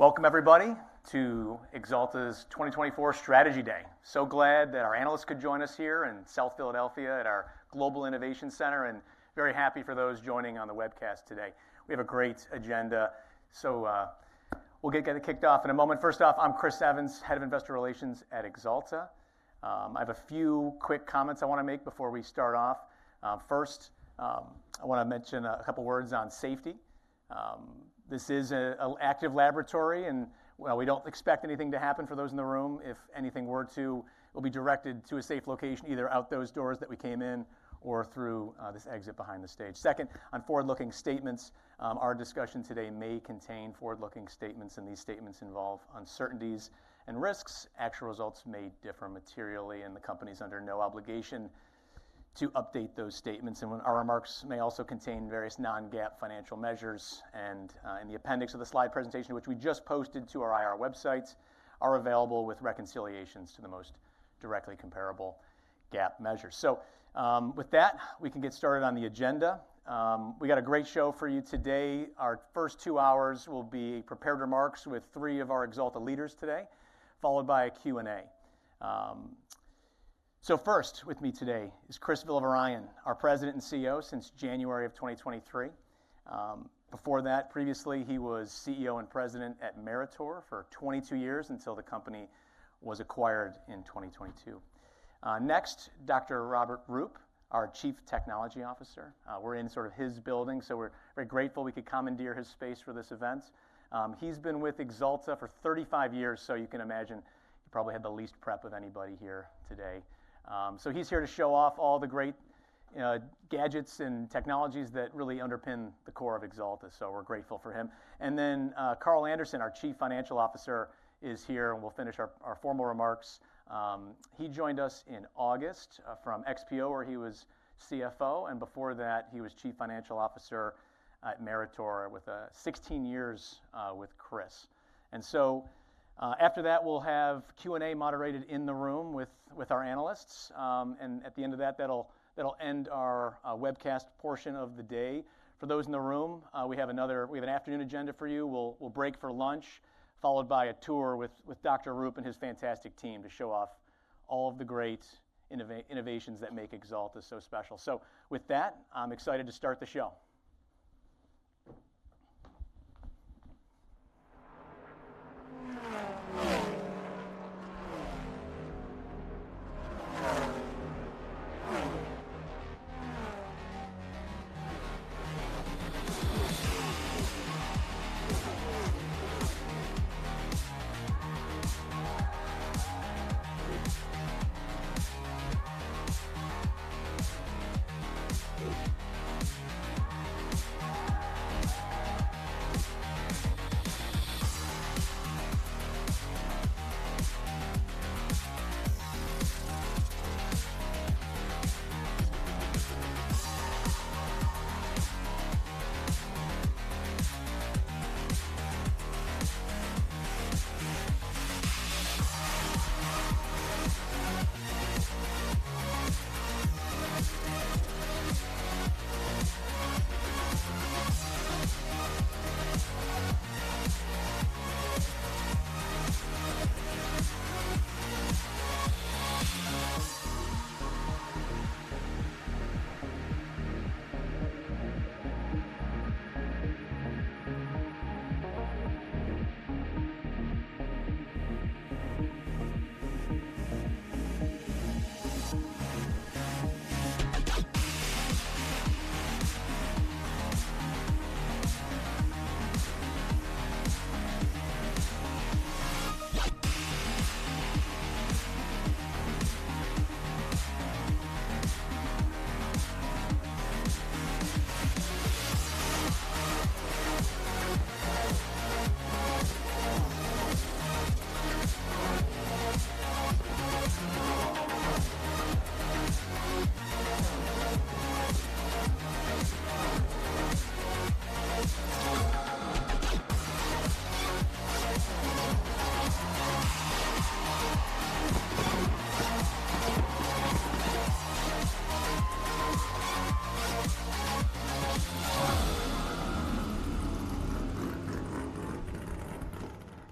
Welcome, everybody, to Axalta's 2024 Strategy Day. So glad that our analysts could join us here in South Philadelphia at our Global Innovation Center, and very happy for those joining on the webcast today. We have a great agenda, so we'll get kicked off in a moment. First off, I'm Chris Evans, Head of Investor Relations at Axalta. I have a few quick comments I want to make before we start off. First, I want to mention a couple of words on safety. This is an active laboratory, and we don't expect anything to happen for those in the room. If anything were to, it will be directed to a safe location, either out those doors that we came in or through this exit behind the stage. Second, on forward-looking statements, our discussion today may contain forward-looking statements, and these statements involve uncertainties and risks. Actual results may differ materially, and the company is under no obligation to update those statements. Our remarks may also contain various non-GAAP financial measures, and in the appendix of the slide presentation which we just posted to our IR website, are available with reconciliations to the most directly comparable GAAP measures. With that, we can get started on the agenda. We got a great show for you today. Our first two hours will be prepared remarks with three of our Axalta leaders today, followed by a Q&A. So first with me today is Chris Villavarayan, our President and CEO since January 2023. Before that, previously, he was CEO and President at Meritor for 22 years until the company was acquired in 2022. Next, Dr. Robert Roop, our Chief Technology Officer. We're in sort of his building, so we're very grateful we could commandeer his space for this event. He's been with Axalta for 35 years, so you can imagine he probably had the least prep of anybody here today. He's here to show off all the great gadgets and technologies that really underpin the core of Axalta, so we're grateful for him. Carl Anderson, our Chief Financial Officer, is here, and we'll finish our formal remarks. He joined us in August from XPO, where he was CFO, and before that, he was Chief Financial Officer at Meritor with 16 years with Chris. After that, we'll have Q&A moderated in the room with our analysts, and at the end of that, that'll end our webcast portion of the day. For those in the room, we have an afternoon agenda for you. We'll break for lunch, followed by a tour with Dr. Roop and his fantastic team to show off all of the great innovations that make Axalta so special. So with that, I'm excited to start the show.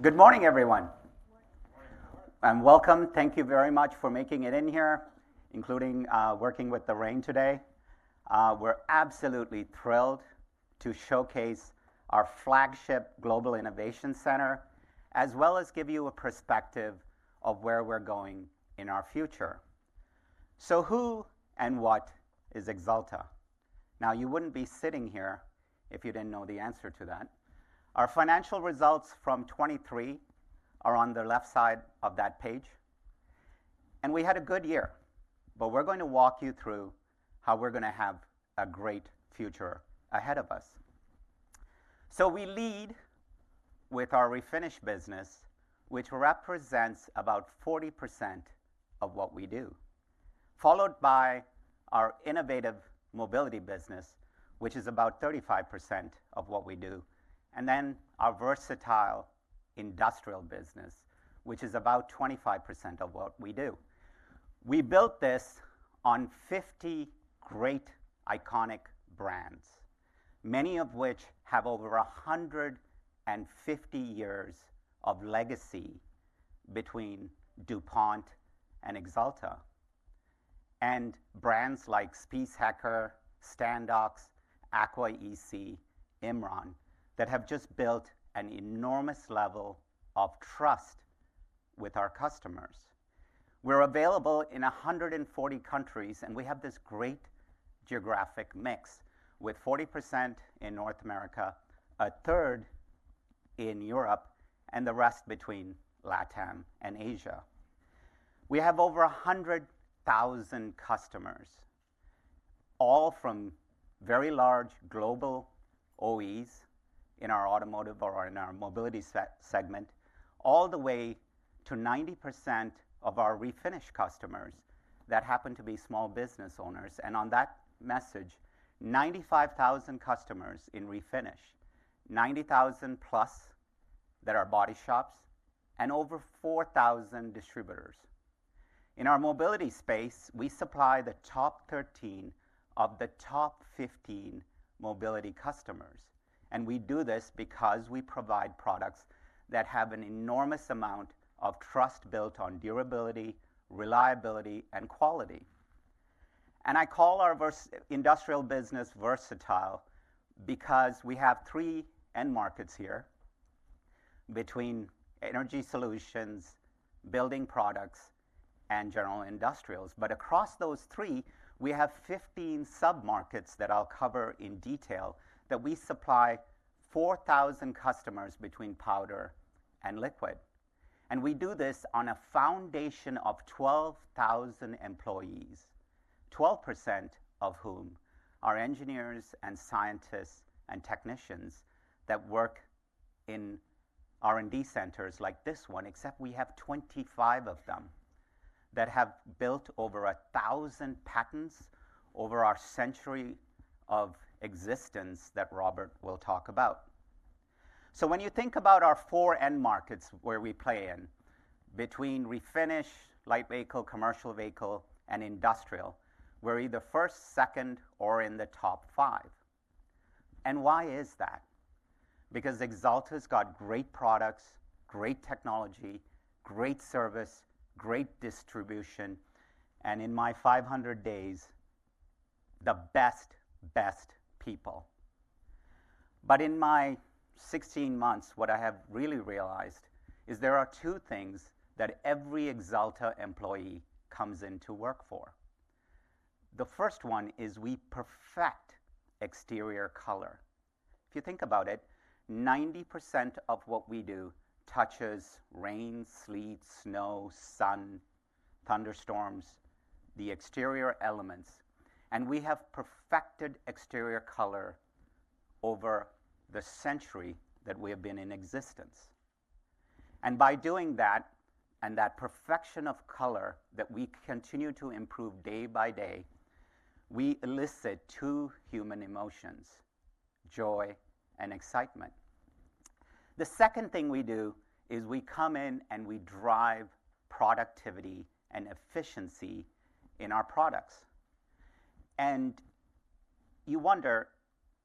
Good morning, everyone. Welcome. Thank you very much for making it in here, including working with the rain today. We're absolutely thrilled to showcase our flagship Global Innovation Center, as well as give you a perspective of where we're going in our future. So who and what is Axalta? Now, you wouldn't be sitting here if you didn't know the answer to that. Our financial results from 2023 are on the left side of that page, and we had a good year, but we're going to walk you through how we're going to have a great future ahead of us. So we lead with our Refinish business, which represents about 40% of what we do, followed by our Innovative Mobility Business, which is about 35% of what we do, and then our versatile industrial business, which is about 25% of what we do. We built this on 50 great iconic brands, many of which have over 150 years of legacy between DuPont and Axalta, and brands like Spies Hecker, Standox, AquaEC, Imron, that have just built an enormous level of trust with our customers. We're available in 140 countries, and we have this great geographic mix, with 40% in North America, a third in Europe, and the rest between LATAM and Asia. We have over 100,000 customers, all from very large global OEs in our automotive or in our mobility segment, all the way to 90% of our refinish customers that happen to be small business owners. On that message, 95,000 customers in refinish, 90,000 plus that are body shops, and over 4,000 distributors. In our mobility space, we supply the top 13 of the top 15 mobility customers, and we do this because we provide products that have an enormous amount of trust built on durability, reliability, and quality. I call our industrial business versatile because we have three end markets here between energy solutions, building products, and general industrials. Across those three, we have 15 submarkets that I'll cover in detail that we supply 4,000 customers between powder and liquid. We do this on a foundation of 12,000 employees, 12% of whom are engineers and scientists and technicians that work in R&D centers like this one, except we have 25 of them that have built over 1,000 patents over our century of existence that Robert will talk about. So when you think about our four end markets where we play in, between refinish, light vehicle, commercial vehicle, and industrial, we're either first, second, or in the top five. And why is that? Because Axalta has got great products, great technology, great service, great distribution, and in my 500 days, the best, best people. But in my 16 months, what I have really realized is there are two things that every Axalta employee comes in to work for. The first one is we perfect exterior color. If you think about it, 90% of what we do touches rain, sleet, snow, sun, thunderstorms, the exterior elements, and we have perfected exterior color over the century that we have been in existence. And by doing that and that perfection of color that we continue to improve day by day, we elicit two human emotions: joy and excitement. The second thing we do is we come in and we drive productivity and efficiency in our products. You wonder,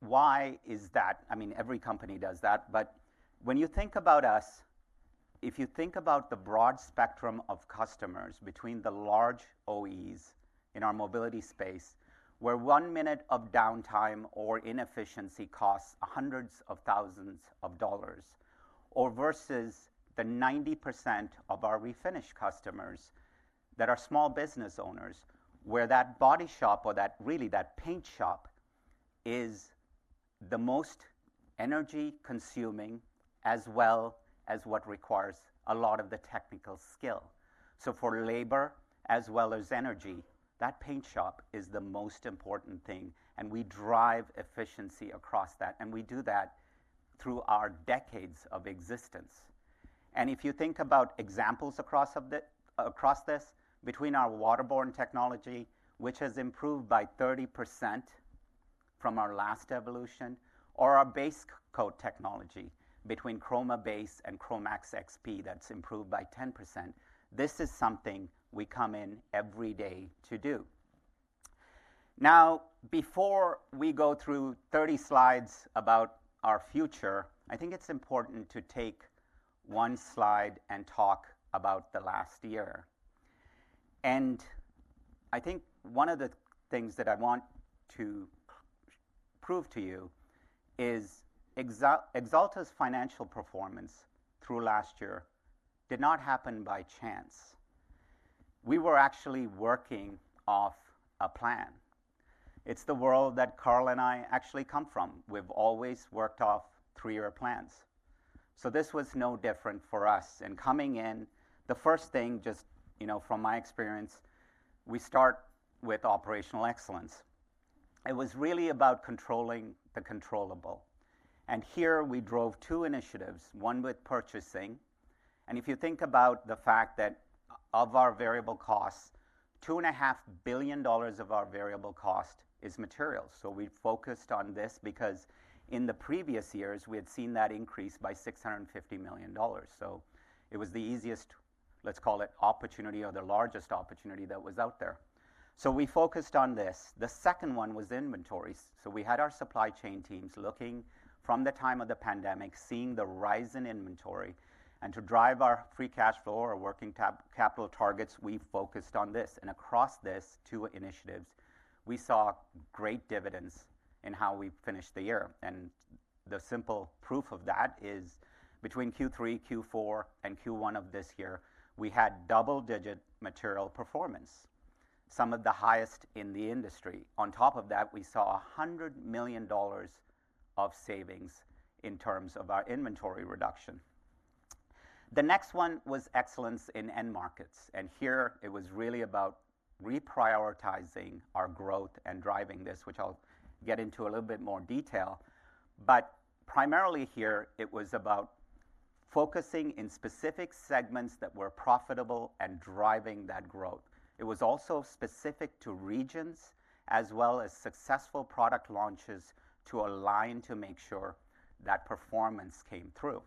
why is that? I mean, every company does that. But when you think about us, if you think about the broad spectrum of customers between the large OEs in our mobility space, where one minute of downtime or inefficiency costs hundreds of thousands of dollars, or versus the 90% of our refinish customers that are small business owners, where that body shop or really that paint shop is the most energy-consuming as well as what requires a lot of the technical skill. For labor as well as energy, that paint shop is the most important thing, and we drive efficiency across that, and we do that through our decades of existence. And if you think about examples across this, between our waterborne technology, which has improved by 30% from our last evolution, or our base coat technology, between ChromaBase and Cromax XP that's improved by 10%, this is something we come in every day to do. Now, before we go through 30 slides about our future, I think it's important to take one slide and talk about the last year. And I think one of the things that I want to prove to you is Axalta's financial performance through last year did not happen by chance. We were actually working off a plan. It's the world that Carl and I actually come from. We've always worked off three-year plans. So this was no different for us. And coming in, the first thing, just from my experience, we start with operational excellence. It was really about controlling the controllable. Here we drove two initiatives, one with purchasing. If you think about the fact that of our variable costs, $2.5 billion of our variable cost is materials. So we focused on this because in the previous years, we had seen that increase by $650 million. So it was the easiest, let's call it, opportunity or the largest opportunity that was out there. So we focused on this. The second one was inventories. So we had our supply chain teams looking from the time of the pandemic, seeing the rise in inventory, and to drive our free cash flow or working capital targets, we focused on this. Across these two initiatives, we saw great dividends in how we finished the year. The simple proof of that is between Q3, Q4, and Q1 of this year, we had double-digit material performance, some of the highest in the industry. On top of that, we saw $100 million of savings in terms of our inventory reduction. The next one was excellence in end markets. Here it was really about reprioritizing our growth and driving this, which I'll get into a little bit more detail. But primarily here, it was about focusing in specific segments that were profitable and driving that growth. It was also specific to regions as well as successful product launches to align to make sure that performance came through.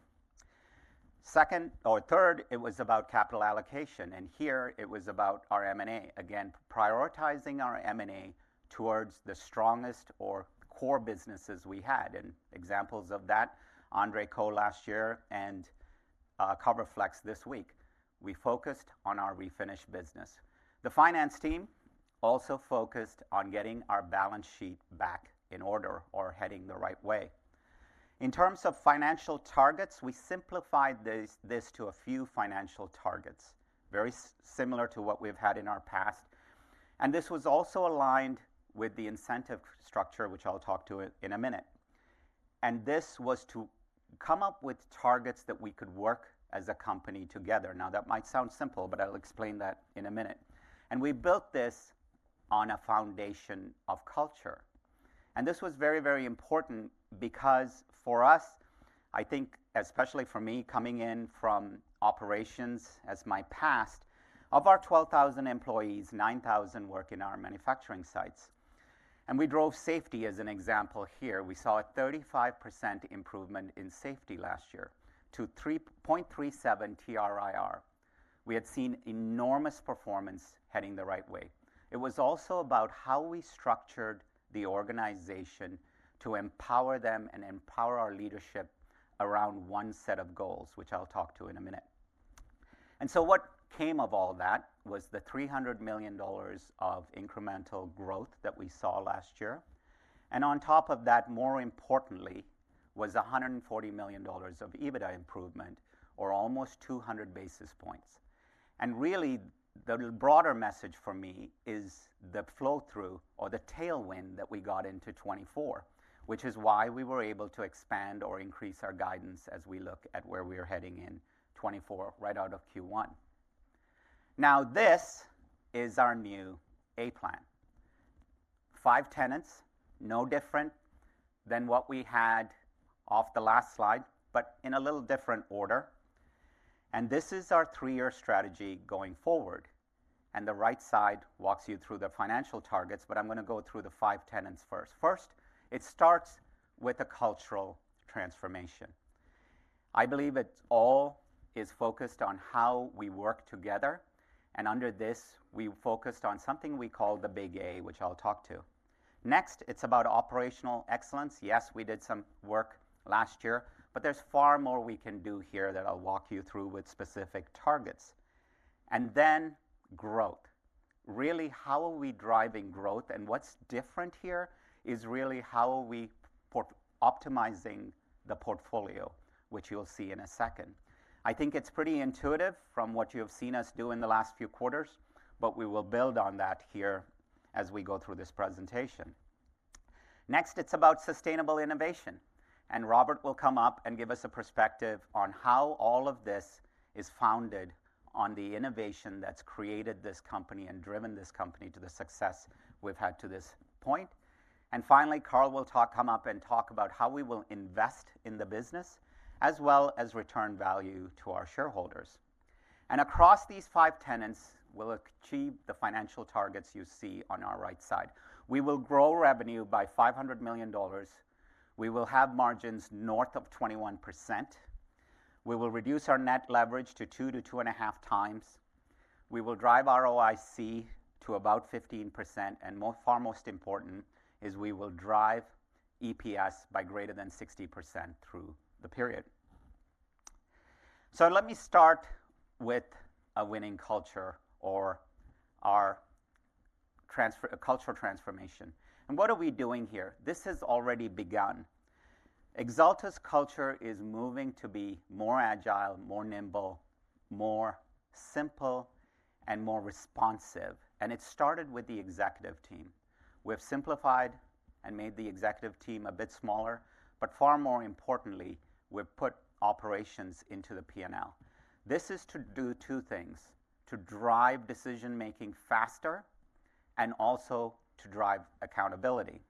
Third, it was about capital allocation. Here it was about our M&A, again, prioritizing our M&A towards the strongest or core businesses we had. Examples of that, André Koch last year and CoverFlexx this week, we focused on our refinish business. The finance team also focused on getting our balance sheet back in order or heading the right way. In terms of financial targets, we simplified this to a few financial targets, very similar to what we've had in our past. This was also aligned with the incentive structure, which I'll talk to in a minute. This was to come up with targets that we could work as a company together. Now, that might sound simple, but I'll explain that in a minute. We built this on a foundation of culture. This was very, very important because for us, I think, especially for me, coming in from operations as my past, of our 12,000 employees, 9,000 work in our manufacturing sites. We drove safety as an example here. We saw a 35% improvement in safety last year to 0.37 TRIR. We had seen enormous performance heading the right way. It was also about how we structured the organization to empower them and empower our leadership around one set of goals, which I'll talk to in a minute. So what came of all that was the $300 million of incremental growth that we saw last year. And on top of that, more importantly, was $140 million of EBITDA improvement or almost 200 basis points. And really, the broader message for me is the flow-through or the tailwind that we got into 2024, which is why we were able to expand or increase our guidance as we look at where we are heading in 2024 right out of Q1. Now, this is our new A Plan, five tenets, no different than what we had off the last slide, but in a little different order. And this is our three-year strategy going forward. The right side walks you through the financial targets, but I'm going to go through the five tenets first. First, it starts with a cultural transformation. I believe it all is focused on how we work together. Under this, we focused on something we call the Big A, which I'll talk to. Next, it's about operational excellence. Yes, we did some work last year, but there's far more we can do here that I'll walk you through with specific targets. Then growth, really, how are we driving growth? And what's different here is really how are we optimizing the portfolio, which you'll see in a second. I think it's pretty intuitive from what you have seen us do in the last few quarters, but we will build on that here as we go through this presentation. Next, it's about sustainable innovation. Robert will come up and give us a perspective on how all of this is founded on the innovation that's created this company and driven this company to the success we've had to this point. Finally, Carl will come up and talk about how we will invest in the business as well as return value to our shareholders. Across these five tenets, we'll achieve the financial targets you see on our right side. We will grow revenue by $500 million. We will have margins north of 21%. We will reduce our net leverage to 2-2.5 times. We will drive ROIC to about 15%. And by far the most important is we will drive EPS by greater than 60% through the period. So let me start with a winning culture or our cultural transformation. And what are we doing here? This has already begun. Axalta's culture is moving to be more agile, more nimble, more simple, and more responsive. It started with the executive team. We've simplified and made the executive team a bit smaller. But far more importantly, we've put operations into the P&L. This is to do two things, to drive decision-making faster and also to drive accountability.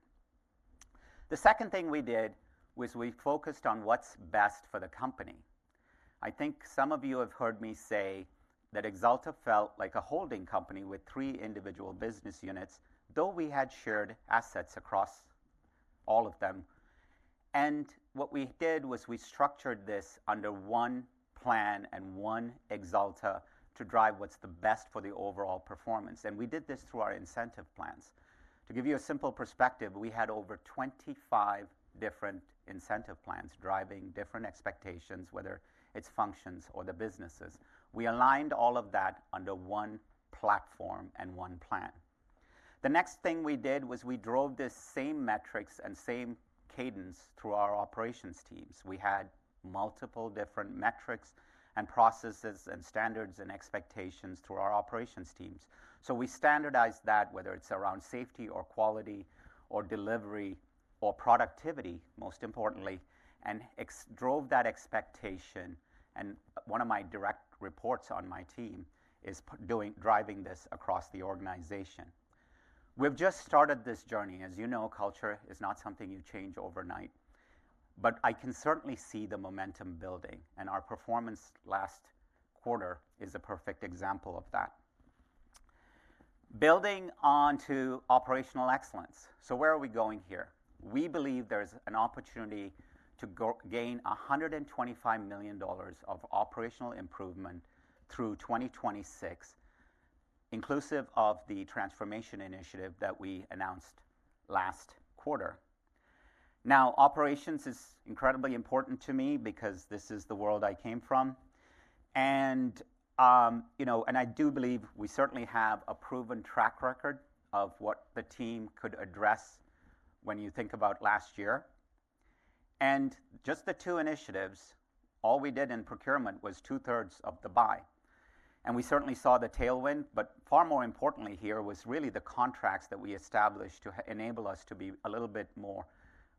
The second thing we did was we focused on what's best for the company. I think some of you have heard me say that Axalta felt like a holding company with three individual business units, though we had shared assets across all of them. What we did was we structured this under one plan and one Axalta to drive what's the best for the overall performance. We did this through our incentive plans. To give you a simple perspective, we had over 25 different incentive plans driving different expectations, whether it's functions or the businesses. We aligned all of that under one platform and one plan. The next thing we did was we drove the same metrics and same cadence through our operations teams. We had multiple different metrics and processes and standards and expectations through our operations teams. So we standardized that, whether it's around safety or quality or delivery or productivity, most importantly, and drove that expectation. And one of my direct reports on my team is driving this across the organization. We've just started this journey. As you know, culture is not something you change overnight. But I can certainly see the momentum building, and our performance last quarter is a perfect example of that, building onto operational excellence. So where are we going here? We believe there's an opportunity to gain $125 million of operational improvement through 2026, inclusive of the transformation initiative that we announced last quarter. Now, operations is incredibly important to me because this is the world I came from. I do believe we certainly have a proven track record of what the team could address when you think about last year. Just the two initiatives, all we did in procurement was two-thirds of the buy. We certainly saw the tailwind. Far more importantly here was really the contracts that we established to enable us to be a little bit more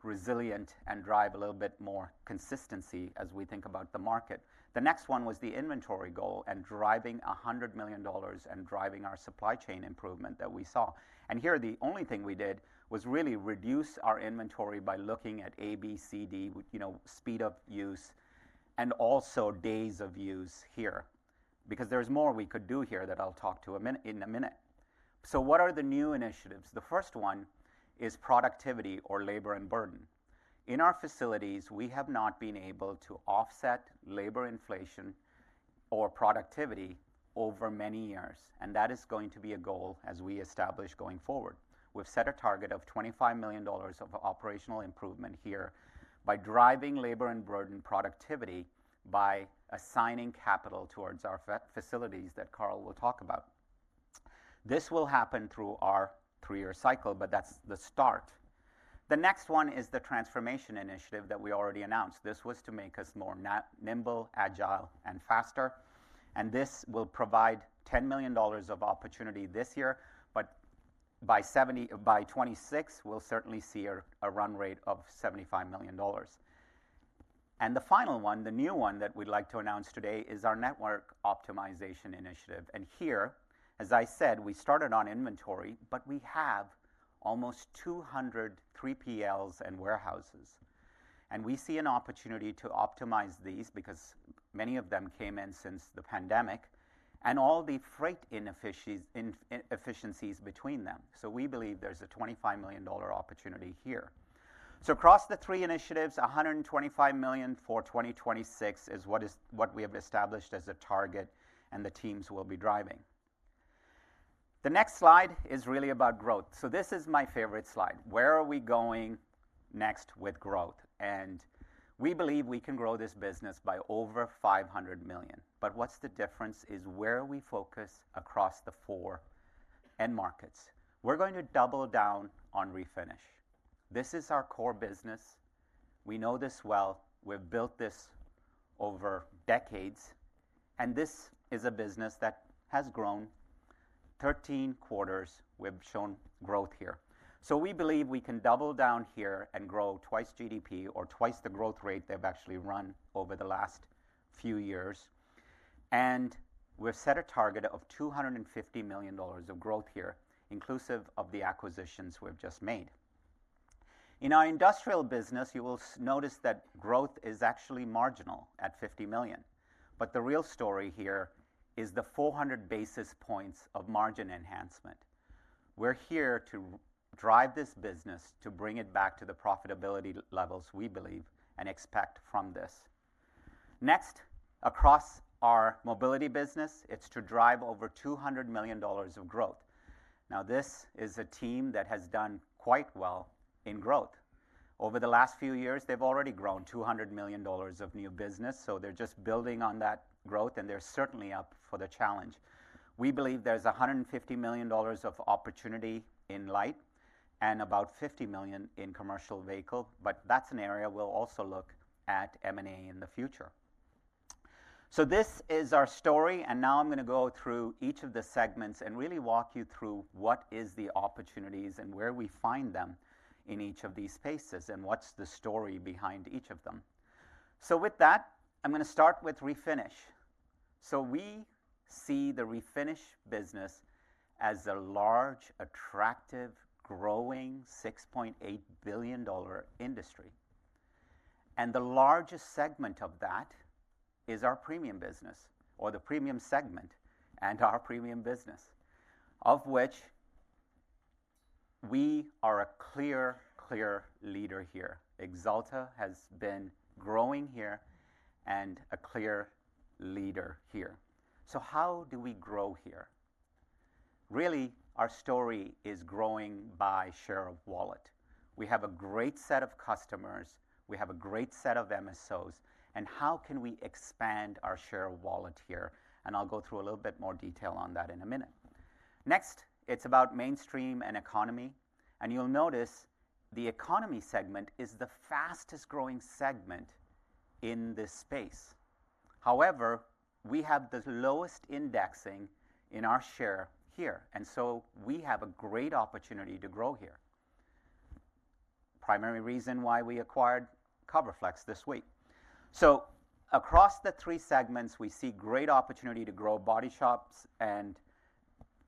resilient and drive a little bit more consistency as we think about the market. The next one was the inventory goal and driving $100 million and driving our supply chain improvement that we saw. And here the only thing we did was really reduce our inventory by looking at A, B, C, D, speed of use, and also days of use here because there's more we could do here that I'll talk to in a minute. So what are the new initiatives? The first one is productivity or labor and burden. In our facilities, we have not been able to offset labor inflation or productivity over many years. And that is going to be a goal as we establish going forward. We've set a target of $25 million of operational improvement here by driving labor and burden productivity by assigning capital towards our facilities that Carl will talk about. This will happen through our three-year cycle, but that's the start. The next one is the transformation initiative that we already announced. This was to make us more nimble, agile, and faster. This will provide $10 million of opportunity this year. By 2026, we'll certainly see a run rate of $75 million. The final one, the new one that we'd like to announce today is our network optimization initiative. Here, as I said, we started on inventory, but we have almost 203 PLs and warehouses. We see an opportunity to optimize these because many of them came in since the pandemic and all the freight inefficiencies between them. We believe there's a $25 million opportunity here. Across the three initiatives, $125 million for 2026 is what we have established as a target, and the teams will be driving. The next slide is really about growth. This is my favorite slide. Where are we going next with growth? We believe we can grow this business by over $500 million. But what's the difference is where we focus across the four end markets. We're going to double down on refinish. This is our core business. We know this well. We've built this over decades. And this is a business that has grown 13 quarters. We've shown growth here. So we believe we can double down here and grow twice GDP or twice the growth rate they've actually run over the last few years. And we've set a target of $250 million of growth here, inclusive of the acquisitions we've just made. In our industrial business, you will notice that growth is actually marginal at $50 million. But the real story here is the 400 basis points of margin enhancement. We're here to drive this business to bring it back to the profitability levels we believe and expect from this. Next, across our mobility business, it's to drive over $200 million of growth. Now, this is a team that has done quite well in growth. Over the last few years, they've already grown $200 million of new business. So they're just building on that growth, and they're certainly up for the challenge. We believe there's $150 million of opportunity in light and about $50 million in commercial vehicle. But that's an area we'll also look at M&A in the future. So this is our story. And now I'm going to go through each of the segments and really walk you through what are the opportunities and where we find them in each of these spaces and what's the story behind each of them. So with that, I'm going to start with refinish. So we see the refinish business as a large, attractive, growing $6.8 billion industry. The largest segment of that is our premium business or the premium segment and our premium business, of which we are a clear, clear leader here. Axalta has been growing here and a clear leader here. So how do we grow here? Really, our story is growing by share of wallet. We have a great set of customers. We have a great set of MSOs. How can we expand our share of wallet here? I'll go through a little bit more detail on that in a minute. Next, it's about mainstream and economy. You'll notice the economy segment is the fastest growing segment in this space. However, we have the lowest indexing in our share here. So we have a great opportunity to grow here, primary reason why we acquired CoverFlexx this week. So across the three segments, we see great opportunity to grow body shops and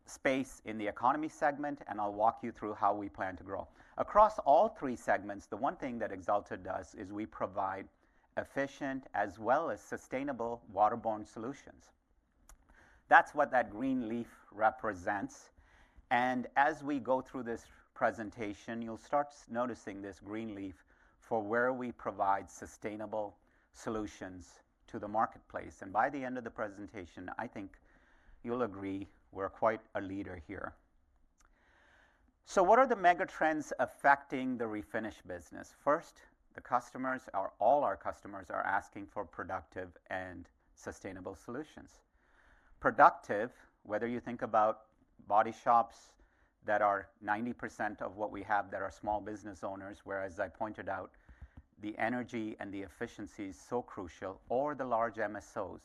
space in the economy segment. And I'll walk you through how we plan to grow. Across all three segments, the one thing that Axalta does is we provide efficient as well as sustainable waterborne solutions. That's what that green leaf represents. And as we go through this presentation, you'll start noticing this green leaf for where we provide sustainable solutions to the marketplace. And by the end of the presentation, I think you'll agree we're quite a leader here. So what are the mega trends affecting the refinish business? First, all our customers are asking for productive and sustainable solutions. Productive, whether you think about body shops that are 90% of what we have, that are small business owners, whereas, as I pointed out, the energy and the efficiency is so crucial, or the large MSOs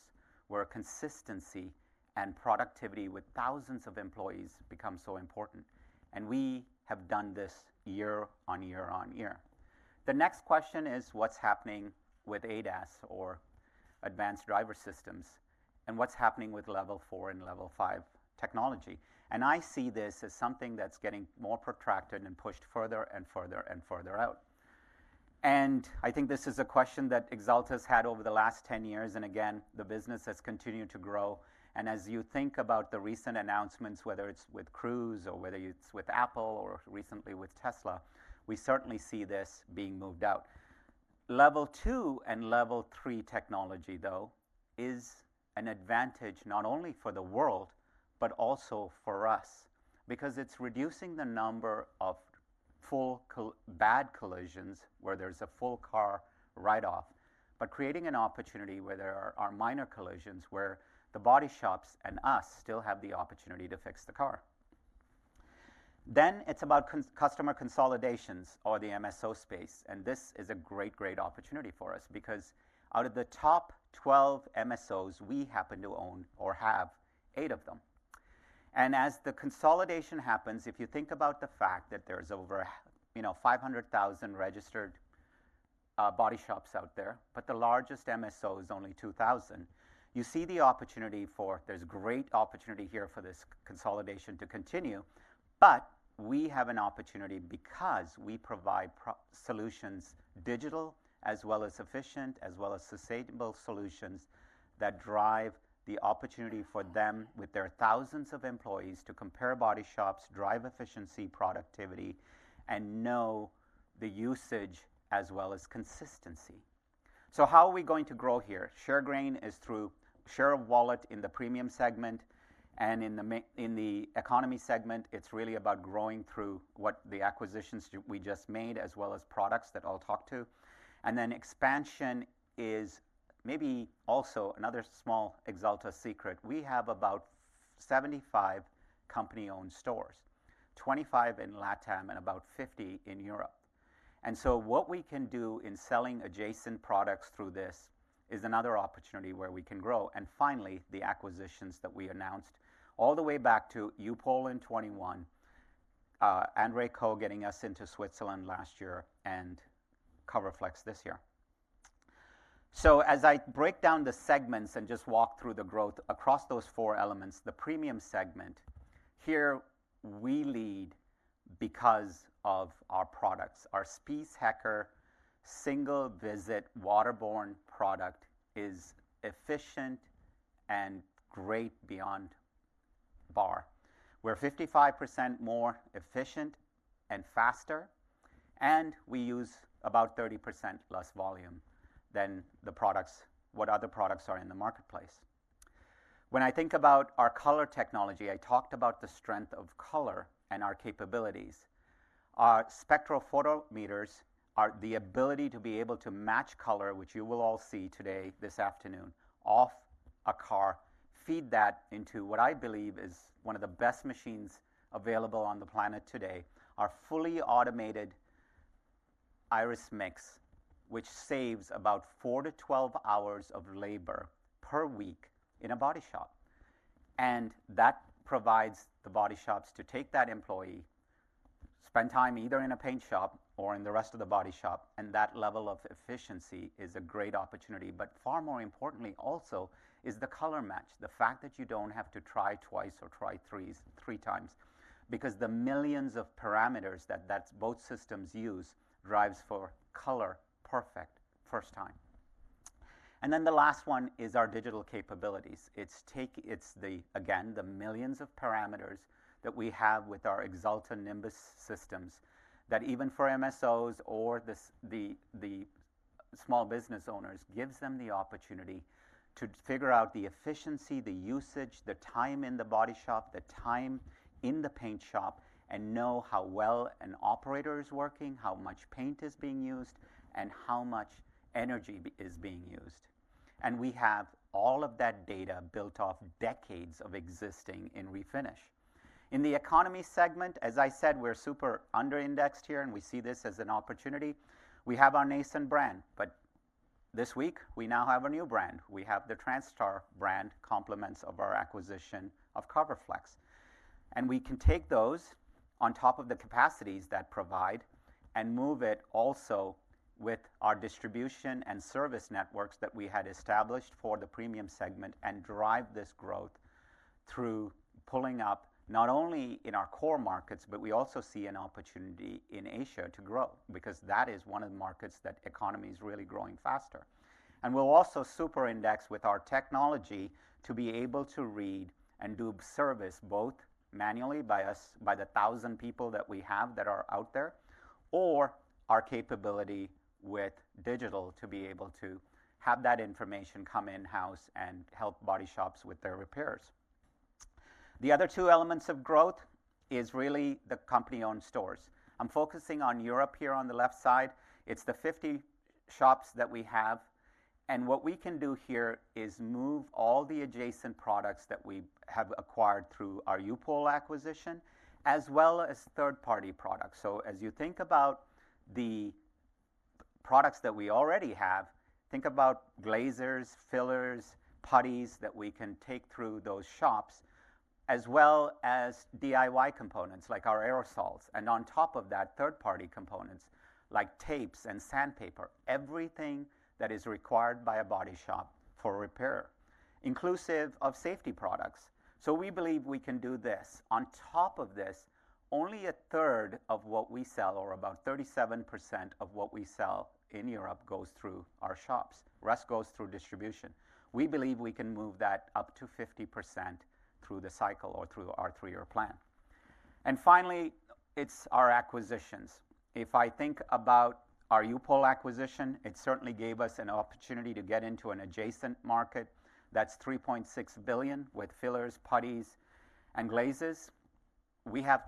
where consistency and productivity with thousands of employees become so important. We have done this year on year on year. The next question is what's happening with ADAS or Advanced Driver Assistance Systems and what's happening with level four and level five technology? I see this as something that's getting more protracted and pushed further and further and further out. I think this is a question that Axalta has had over the last 10 years. Again, the business has continued to grow. As you think about the recent announcements, whether it's with Cruise or whether it's with Apple or recently with Tesla, we certainly see this being moved out. Level two and Level three technology, though, is an advantage not only for the world but also for us because it's reducing the number of full bad collisions where there's a full car write-off but creating an opportunity where there are minor collisions where the body shops and us still have the opportunity to fix the car. Then it's about customer consolidations or the MSO space. This is a great, great opportunity for us because out of the top 12 MSOs, we happen to own or have eight of them. As the consolidation happens, if you think about the fact that there's over 500,000 registered body shops out there but the largest MSO is only 2,000, you see the opportunity for there's great opportunity here for this consolidation to continue. But we have an opportunity because we provide solutions digital as well as efficient as well as sustainable solutions that drive the opportunity for them with their thousands of employees to compare body shops, drive efficiency, productivity, and know the usage as well as consistency. So how are we going to grow here? Share gain is through share of wallet in the premium segment. And in the economy segment, it's really about growing through what the acquisitions we just made as well as products that I'll talk to. And then expansion is maybe also another small Axalta secret. We have about 75 company-owned stores, 25 in LATAM and about 50 in Europe. And so what we can do in selling adjacent products through this is another opportunity where we can grow. And finally, the acquisitions that we announced all the way back to U-POL in 2021, André Koch getting us into Switzerland last year, and CoverFlexx this year. So as I break down the segments and just walk through the growth across those four elements, the premium segment, here we lead because of our products. Our Spies Hecker single-visit waterborne product is efficient and great beyond par. We're 55% more efficient and faster. And we use about 30% less volume than what other products are in the marketplace. When I think about our color technology, I talked about the strength of color and our capabilities. Our spectrophotometers, the ability to be able to match color, which you will all see today this afternoon off a car, feed that into what I believe is one of the best machines available on the planet today, our fully automated Irus Mix, which saves about 4-12 hours of labor per week in a body shop. That provides the body shops to take that employee, spend time either in a paint shop or in the rest of the body shop. That level of efficiency is a great opportunity. But far more importantly, also, is the color match, the fact that you don't have to try twice or try three times because the millions of parameters that both systems use drive for color perfect first time. Then the last one is our digital capabilities. It's the, again, the millions of parameters that we have with our Axalta Nimbus systems that even for MSOs or the small business owners, gives them the opportunity to figure out the efficiency, the usage, the time in the body shop, the time in the paint shop, and know how well an operator is working, how much paint is being used, and how much energy is being used. We have all of that data built off decades of existing in refinish. In the economy segment, as I said, we're super underindexed here, and we see this as an opportunity. We have our Nason brand. But this week, we now have a new brand. We have the Transtar brand complements of our acquisition of CoverFlexx. We can take those on top of the capacities that provide and move it also with our distribution and service networks that we had established for the premium segment and drive this growth through pulling up not only in our core markets, but we also see an opportunity in Asia to grow because that is one of the markets that economy is really growing faster. And we'll also superindex with our technology to be able to read and do service both manually by the 1,000 people that we have that are out there or our capability with digital to be able to have that information come in-house and help body shops with their repairs. The other two elements of growth is really the company-owned stores. I'm focusing on Europe here on the left side. It's the 50 shops that we have. What we can do here is move all the adjacent products that we have acquired through our U-POL acquisition as well as third-party products. As you think about the products that we already have, think about glazers, fillers, putties that we can take through those shops as well as DIY components like our aerosols. On top of that, third-party components like tapes and sandpaper, everything that is required by a body shop for repair, inclusive of safety products. We believe we can do this. On top of this, only a third of what we sell or about 37% of what we sell in Europe goes through our shops. The rest goes through distribution. We believe we can move that up to 50% through the cycle or through our three-year plan. Finally, it's our acquisitions. If I think about our U-POL acquisition, it certainly gave us an opportunity to get into an adjacent market. That's $3.6 billion with fillers, putties, and glazes. We have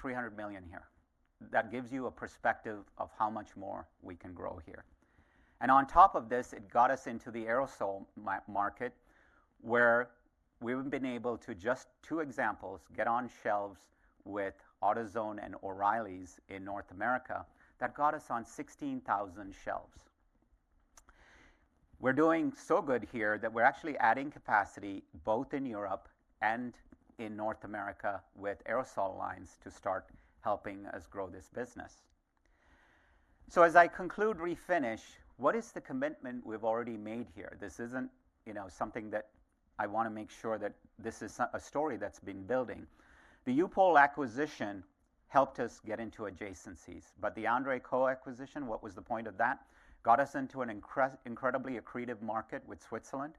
$300 million here. That gives you a perspective of how much more we can grow here. And on top of this, it got us into the aerosol market where we've been able to, just two examples, get on shelves with AutoZone and O'Reilly's in North America. That got us on 16,000 shelves. We're doing so good here that we're actually adding capacity both in Europe and in North America with aerosol lines to start helping us grow this business. So as I conclude refinish, what is the commitment we've already made here? This isn't something that I want to make sure that this is a story that's been building. The U-POL acquisition helped us get into adjacencies. But the André Koch acquisition, what was the point of that? Got us into an incredibly accretive market with Switzerland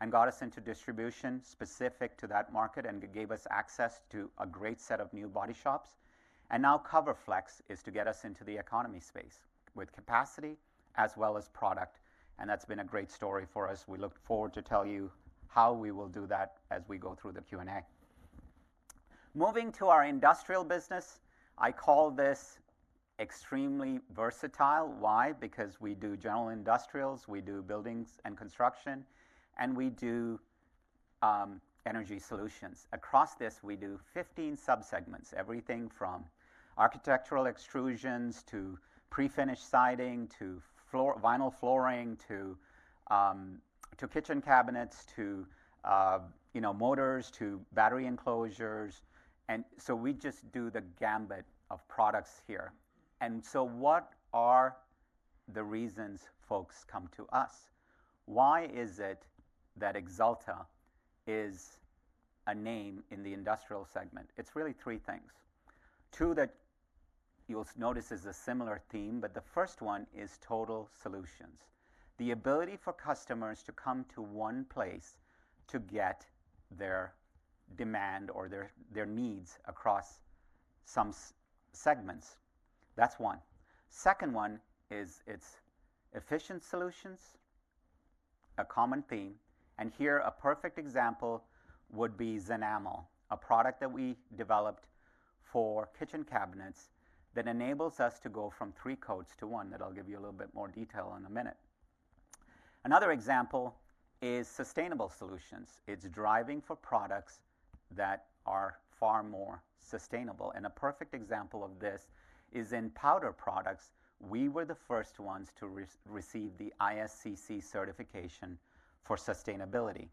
and got us into distribution specific to that market and gave us access to a great set of new body shops. Now CoverFlexx is to get us into the economy space with capacity as well as product. And that's been a great story for us. We look forward to tell you how we will do that as we go through the Q&A. Moving to our industrial business, I call this extremely versatile. Why? Because we do general industrials, we do buildings and construction, and we do energy solutions. Across this, we do 15 subsegments, everything from architectural extrusions to pre-finished siding to vinyl flooring to kitchen cabinets to motors to battery enclosures. And so we just do the gamut of products here. And so what are the reasons folks come to us? Why is it that Axalta is a name in the industrial segment? It's really three things. Too, that you'll notice is a similar theme, but the first one is total solutions, the ability for customers to come to one place to get their demand or their needs across some segments. That's one. Second one is its efficient solutions, a common theme. And here, a perfect example would be Zenamel, a product that we developed for kitchen cabinets that enables us to go from three coats to one that I'll give you a little bit more detail on in a minute. Another example is sustainable solutions. It's driving for products that are far more sustainable. And a perfect example of this is in powder products. We were the first ones to receive the ISCC certification for sustainability.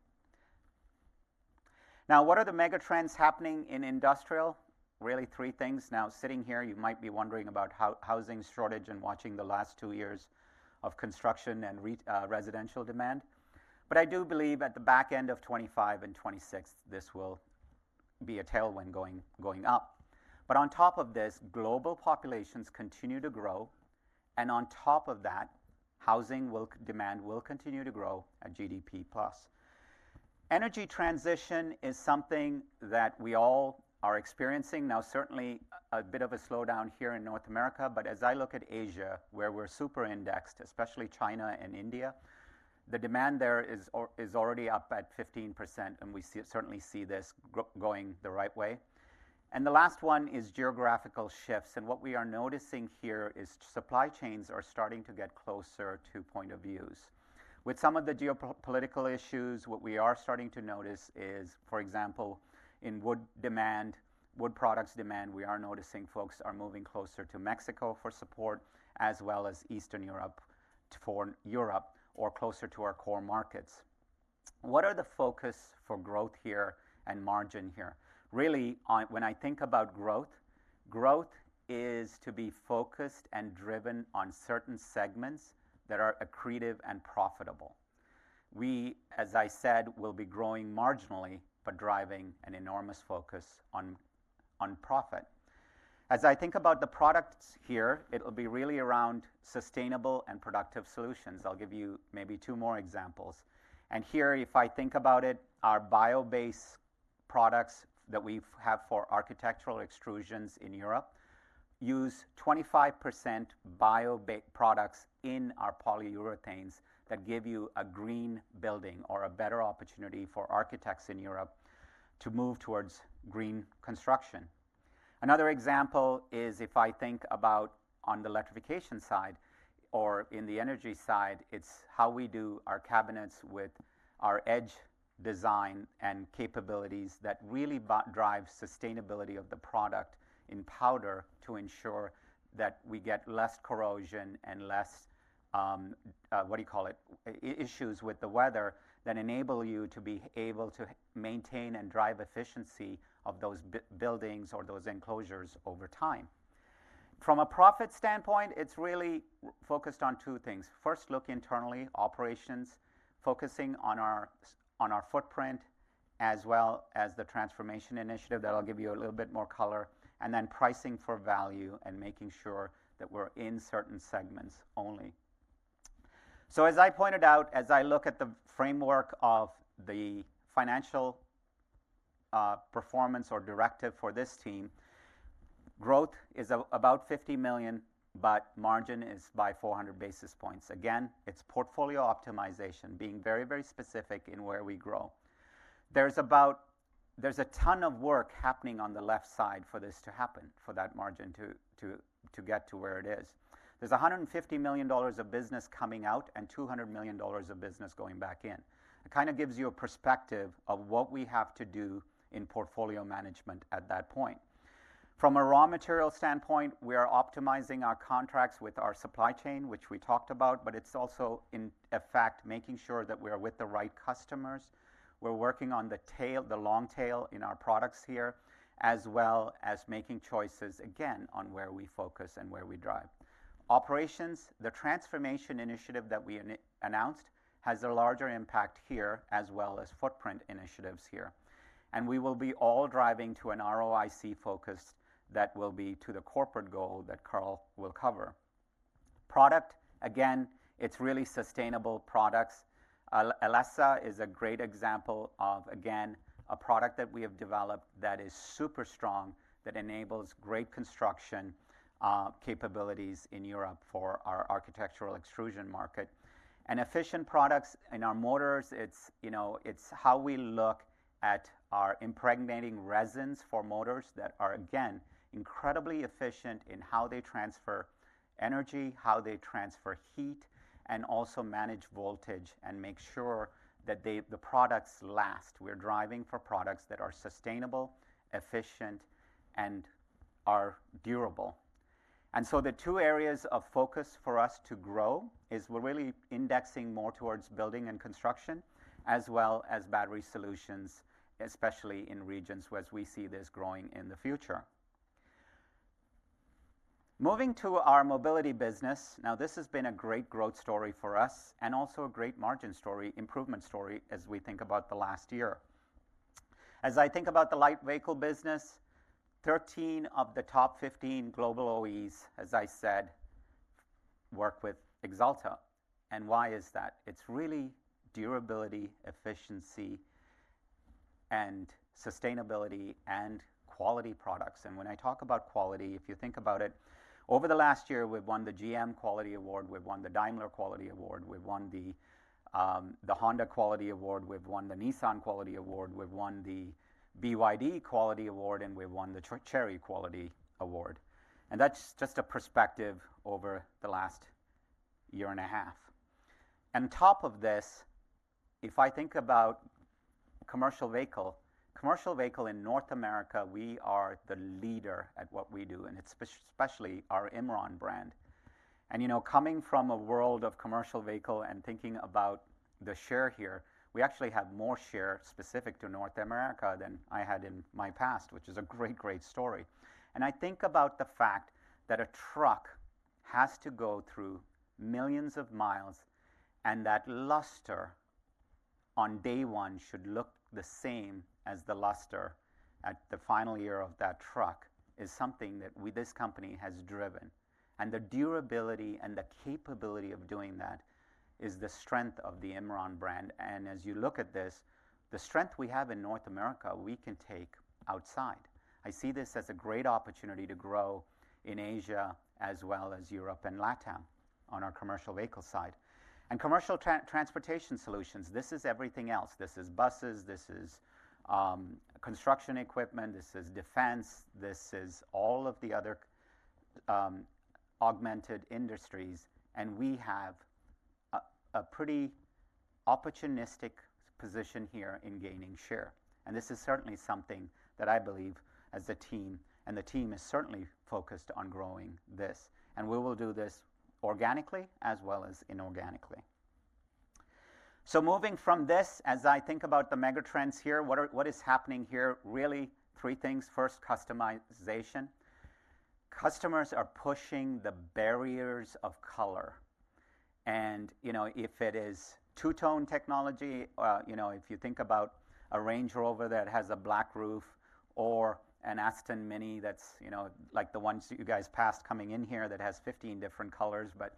Now, what are the mega trends happening in industrial? Really, three things. Now, sitting here, you might be wondering about housing shortage and watching the last two years of construction and residential demand. But I do believe at the back end of 2025 and 2026, this will be a tailwind going up. But on top of this, global populations continue to grow. And on top of that, housing demand will continue to grow at GDP plus. Energy transition is something that we all are experiencing now, certainly a bit of a slowdown here in North America. But as I look at Asia where we're superindexed, especially China and India, the demand there is already up at 15%. And we certainly see this going the right way. And the last one is geographical shifts. What we are noticing here is supply chains are starting to get closer to point of views. With some of the geopolitical issues, what we are starting to notice is, for example, in wood products demand, we are noticing folks are moving closer to Mexico for support as well as Eastern Europe or closer to our core markets. What are the focus for growth here and margin here? Really, when I think about growth, growth is to be focused and driven on certain segments that are accretive and profitable. We, as I said, will be growing marginally but driving an enormous focus on profit. As I think about the products here, it'll be really around sustainable and productive solutions. I'll give you maybe two more examples. Here, if I think about it, our bio-based products that we have for architectural extrusions in Europe use 25% bio products in our polyurethanes that give you a green building or a better opportunity for architects in Europe to move towards green construction. Another example is if I think about on the electrification side or in the energy side, it's how we do our cabinets with our edge design and capabilities that really drive sustainability of the product in powder to ensure that we get less corrosion and less, what do you call it, issues with the weather that enable you to be able to maintain and drive efficiency of those buildings or those enclosures over time. From a profit standpoint, it's really focused on two things. First, look internally, operations, focusing on our footprint as well as the transformation initiative that I'll give you a little bit more color, and then pricing for value and making sure that we're in certain segments only. So as I pointed out, as I look at the framework of the financial performance or directive for this team, growth is about $50 million, but margin is by 400 basis points. Again, it's portfolio optimization, being very, very specific in where we grow. There's a ton of work happening on the left side for this to happen, for that margin to get to where it is. There's $150 million of business coming out and $200 million of business going back in. It kind of gives you a perspective of what we have to do in portfolio management at that point. From a raw material standpoint, we are optimizing our contracts with our supply chain, which we talked about. But it's also, in effect, making sure that we are with the right customers. We're working on the long tail in our products here as well as making choices, again, on where we focus and where we drive. Operations, the transformation initiative that we announced has a larger impact here as well as footprint initiatives here. And we will be all driving to an ROIC focus that will be to the corporate goal that Carl will cover. Product, again, it's really sustainable products. Alesta is a great example of, again, a product that we have developed that is super strong, that enables great construction capabilities in Europe for our architectural extrusion market. And efficient products in our motors, it's how we look at our impregnating resins for motors that are, again, incredibly efficient in how they transfer energy, how they transfer heat, and also manage voltage and make sure that the products last. We're driving for products that are sustainable, efficient, and are durable. And so the two areas of focus for us to grow is we're really indexing more towards building and construction as well as battery solutions, especially in regions where we see this growing in the future. Moving to our mobility business, now, this has been a great growth story for us and also a great margin story, improvement story, as we think about the last year. As I think about the light vehicle business, 13 of the top 15 global OEs, as I said, work with Axalta. And why is that? It's really durability, efficiency, and sustainability and quality products. When I talk about quality, if you think about it, over the last year, we've won the GM Quality Award, we've won the Daimler Quality Award, we've won the Honda Quality Award, we've won the Nissan Quality Award, we've won the BYD Quality Award, and we've won the Chery Quality Award. That's just a perspective over the last year and a half. On top of this, if I think about commercial vehicle, commercial vehicle in North America, we are the leader at what we do, and especially our Imron brand. Coming from a world of commercial vehicle and thinking about the share here, we actually have more share specific to North America than I had in my past, which is a great, great story. I think about the fact that a truck has to go through millions of miles, and that luster on day one should look the same as the luster at the final year of that truck is something that this company has driven. And the durability and the capability of doing that is the strength of the Imron brand. And as you look at this, the strength we have in North America, we can take outside. I see this as a great opportunity to grow in Asia as well as Europe and LATAM on our commercial vehicle side. And commercial transportation solutions, this is everything else. This is buses, this is construction equipment, this is defense, this is all of the other augmented industries. And we have a pretty opportunistic position here in gaining share. This is certainly something that I believe as a team, and the team is certainly focused on growing this. We will do this organically as well as inorganically. Moving from this, as I think about the mega trends here, what is happening here? Really, three things. First, customization. Customers are pushing the barriers of color. If it is two-tone technology, if you think about a Range Rover that has a black roof or an Austin Mini that's like the ones you guys passed coming in here that has 15 different colors, but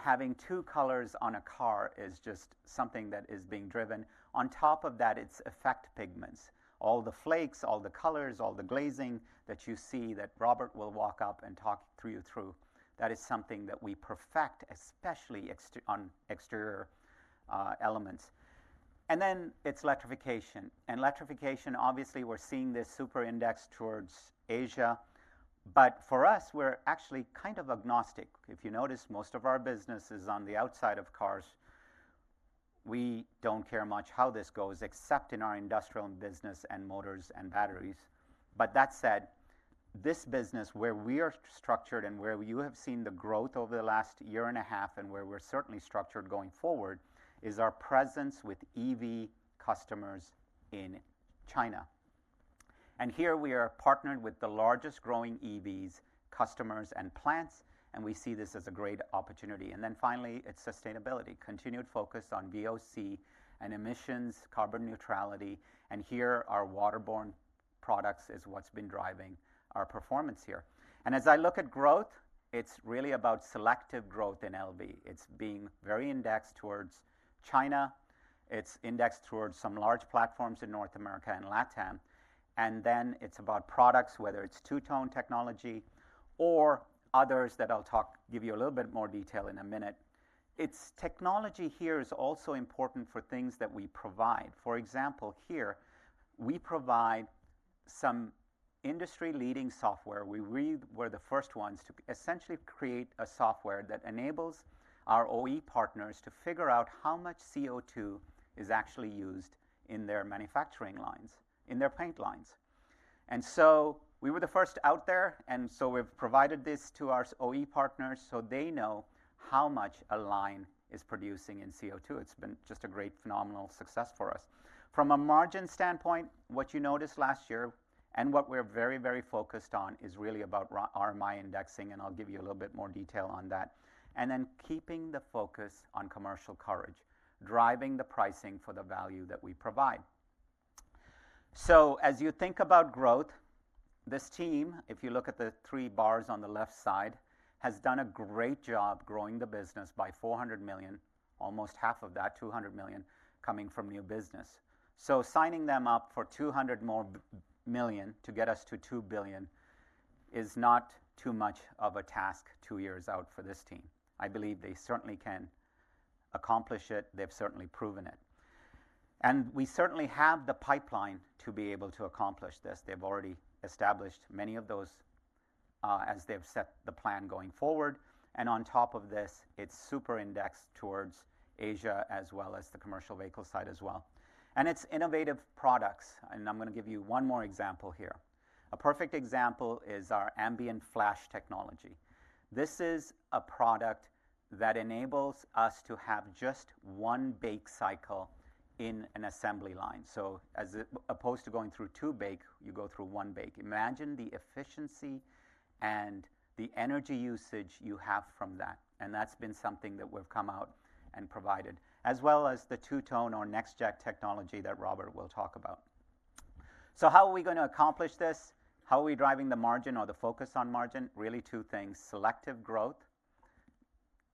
having two colors on a car is just something that is being driven. On top of that, it's effect pigments, all the flakes, all the colors, all the glazing that you see that Robert will walk up and talk through you through. That is something that we perfect, especially on exterior elements. And then it's electrification. And electrification, obviously, we're seeing this superindexed towards Asia. But for us, we're actually kind of agnostic. If you notice, most of our business is on the outside of cars. We don't care much how this goes except in our industrial business and motors and batteries. But that said, this business where we are structured and where you have seen the growth over the last year and a half and where we're certainly structured going forward is our presence with EV customers in China. And here, we are partnered with the largest growing EVs customers and plants. And we see this as a great opportunity. And then finally, it's sustainability, continued focus on VOC and emissions, carbon neutrality. And here, our waterborne products is what's been driving our performance here. And as I look at growth, it's really about selective growth in LV. It's being very indexed towards China. It's indexed towards some large platforms in North America and LATAM. Then it's about products, whether it's two-tone technology or others that I'll give you a little bit more detail in a minute. Technology here is also important for things that we provide. For example, here, we provide some industry-leading software. We were the first ones to essentially create a software that enables our OE partners to figure out how much CO2 is actually used in their manufacturing lines, in their paint lines. So we were the first out there. So we've provided this to our OE partners so they know how much a line is producing in CO2. It's been just a great, phenomenal success for us. From a margin standpoint, what you noticed last year and what we're very, very focused on is really about RMI indexing. And I'll give you a little bit more detail on that. Then keeping the focus on commercial courage, driving the pricing for the value that we provide. So as you think about growth, this team, if you look at the three bars on the left side, has done a great job growing the business by $400 million, almost half of that, $200 million, coming from new business. So signing them up for $200 million more to get us to $2 billion is not too much of a task two years out for this team. I believe they certainly can accomplish it. They've certainly proven it. And we certainly have the pipeline to be able to accomplish this. They've already established many of those as they've set the plan going forward. And on top of this, it's superindexed towards Asia as well as the commercial vehicle side as well. It's innovative products. I'm going to give you one more example here. A perfect example is our Ambient Flash technology. This is a product that enables us to have just one bake cycle in an assembly line. So as opposed to going through two bake, you go through one bake. Imagine the efficiency and the energy usage you have from that. And that's been something that we've come out and provided as well as the two-tone or next-gen technology that Robert will talk about. So how are we going to accomplish this? How are we driving the margin or the focus on margin? Really, two things, selective growth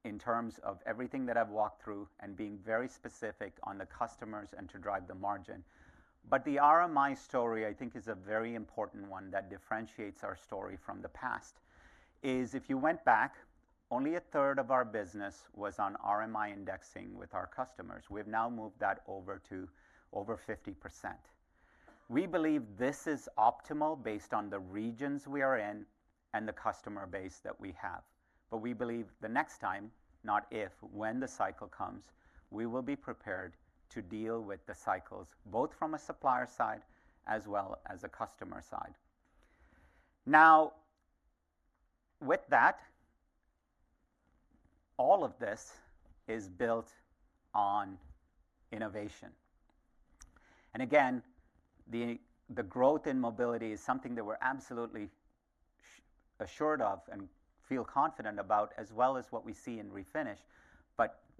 in terms of everything that I've walked through and being very specific on the customers and to drive the margin. But the RMI story, I think, is a very important one that differentiates our story from the past. If you went back, only a third of our business was on RMI indexing with our customers. We've now moved that over to over 50%. We believe this is optimal based on the regions we are in and the customer base that we have. We believe the next time, not if, when the cycle comes, we will be prepared to deal with the cycles both from a supplier side as well as a customer side. Now, with that, all of this is built on innovation. Again, the growth in mobility is something that we're absolutely assured of and feel confident about as well as what we see in refinish.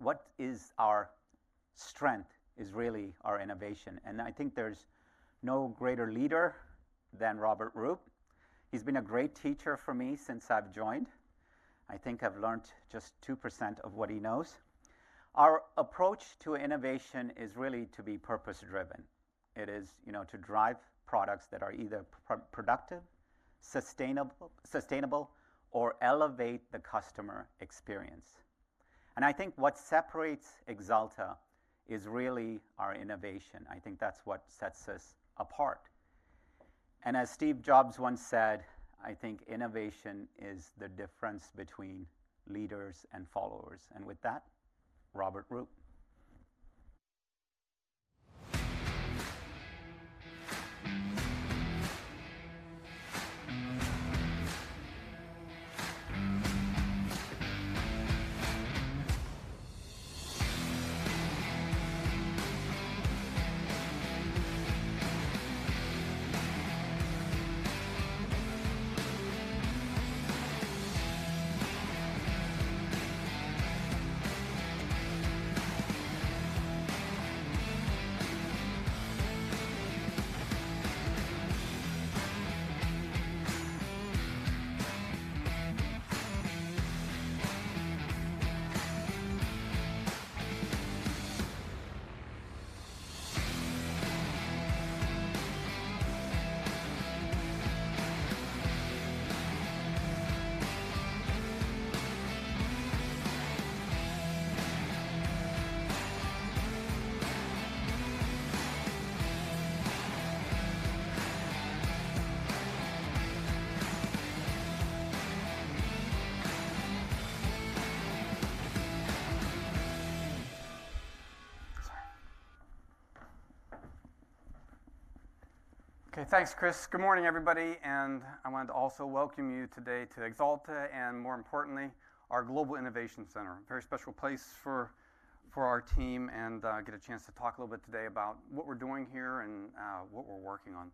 What is our strength is really our innovation. I think there's no greater leader than Robert Roop. He's been a great teacher for me since I've joined. I think I've learned just 2% of what he knows. Our approach to innovation is really to be purpose-driven. It is to drive products that are either productive, sustainable, or elevate the customer experience. And I think what separates Axalta is really our innovation. I think that's what sets us apart. And as Steve Jobs once said, I think innovation is the difference between leaders and followers. And with that, Robert Roop. Okay, thanks, Chris. Good morning, everybody. And I wanted to also welcome you today to Axalta and, more importantly, our Global Innovation Center, a very special place for our team, and get a chance to talk a little bit today about what we're doing here and what we're working on.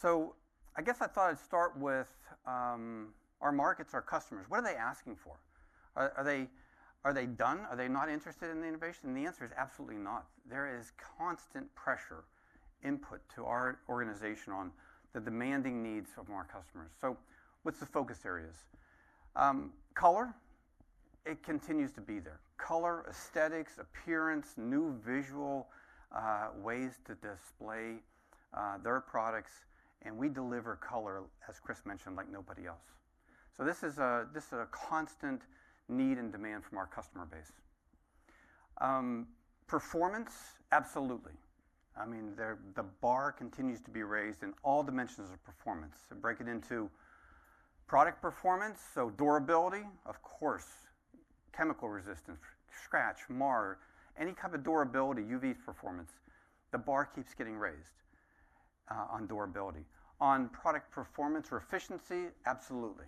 So I guess I thought I'd start with our markets, our customers. What are they asking for? Are they done? Are they not interested in the innovation? And the answer is absolutely not. There is constant pressure input to our organization on the demanding needs of our customers. So what's the focus areas? Color, it continues to be there. Color, aesthetics, appearance, new visual ways to display their products. And we deliver color, as Chris mentioned, like nobody else. So this is a constant need and demand from our customer base. Performance, absolutely. I mean, the bar continues to be raised in all dimensions of performance. Break it into product performance, so durability, of course, chemical resistance, scratch, mar, any type of durability, UV performance, the bar keeps getting raised on durability. On product performance or efficiency, absolutely.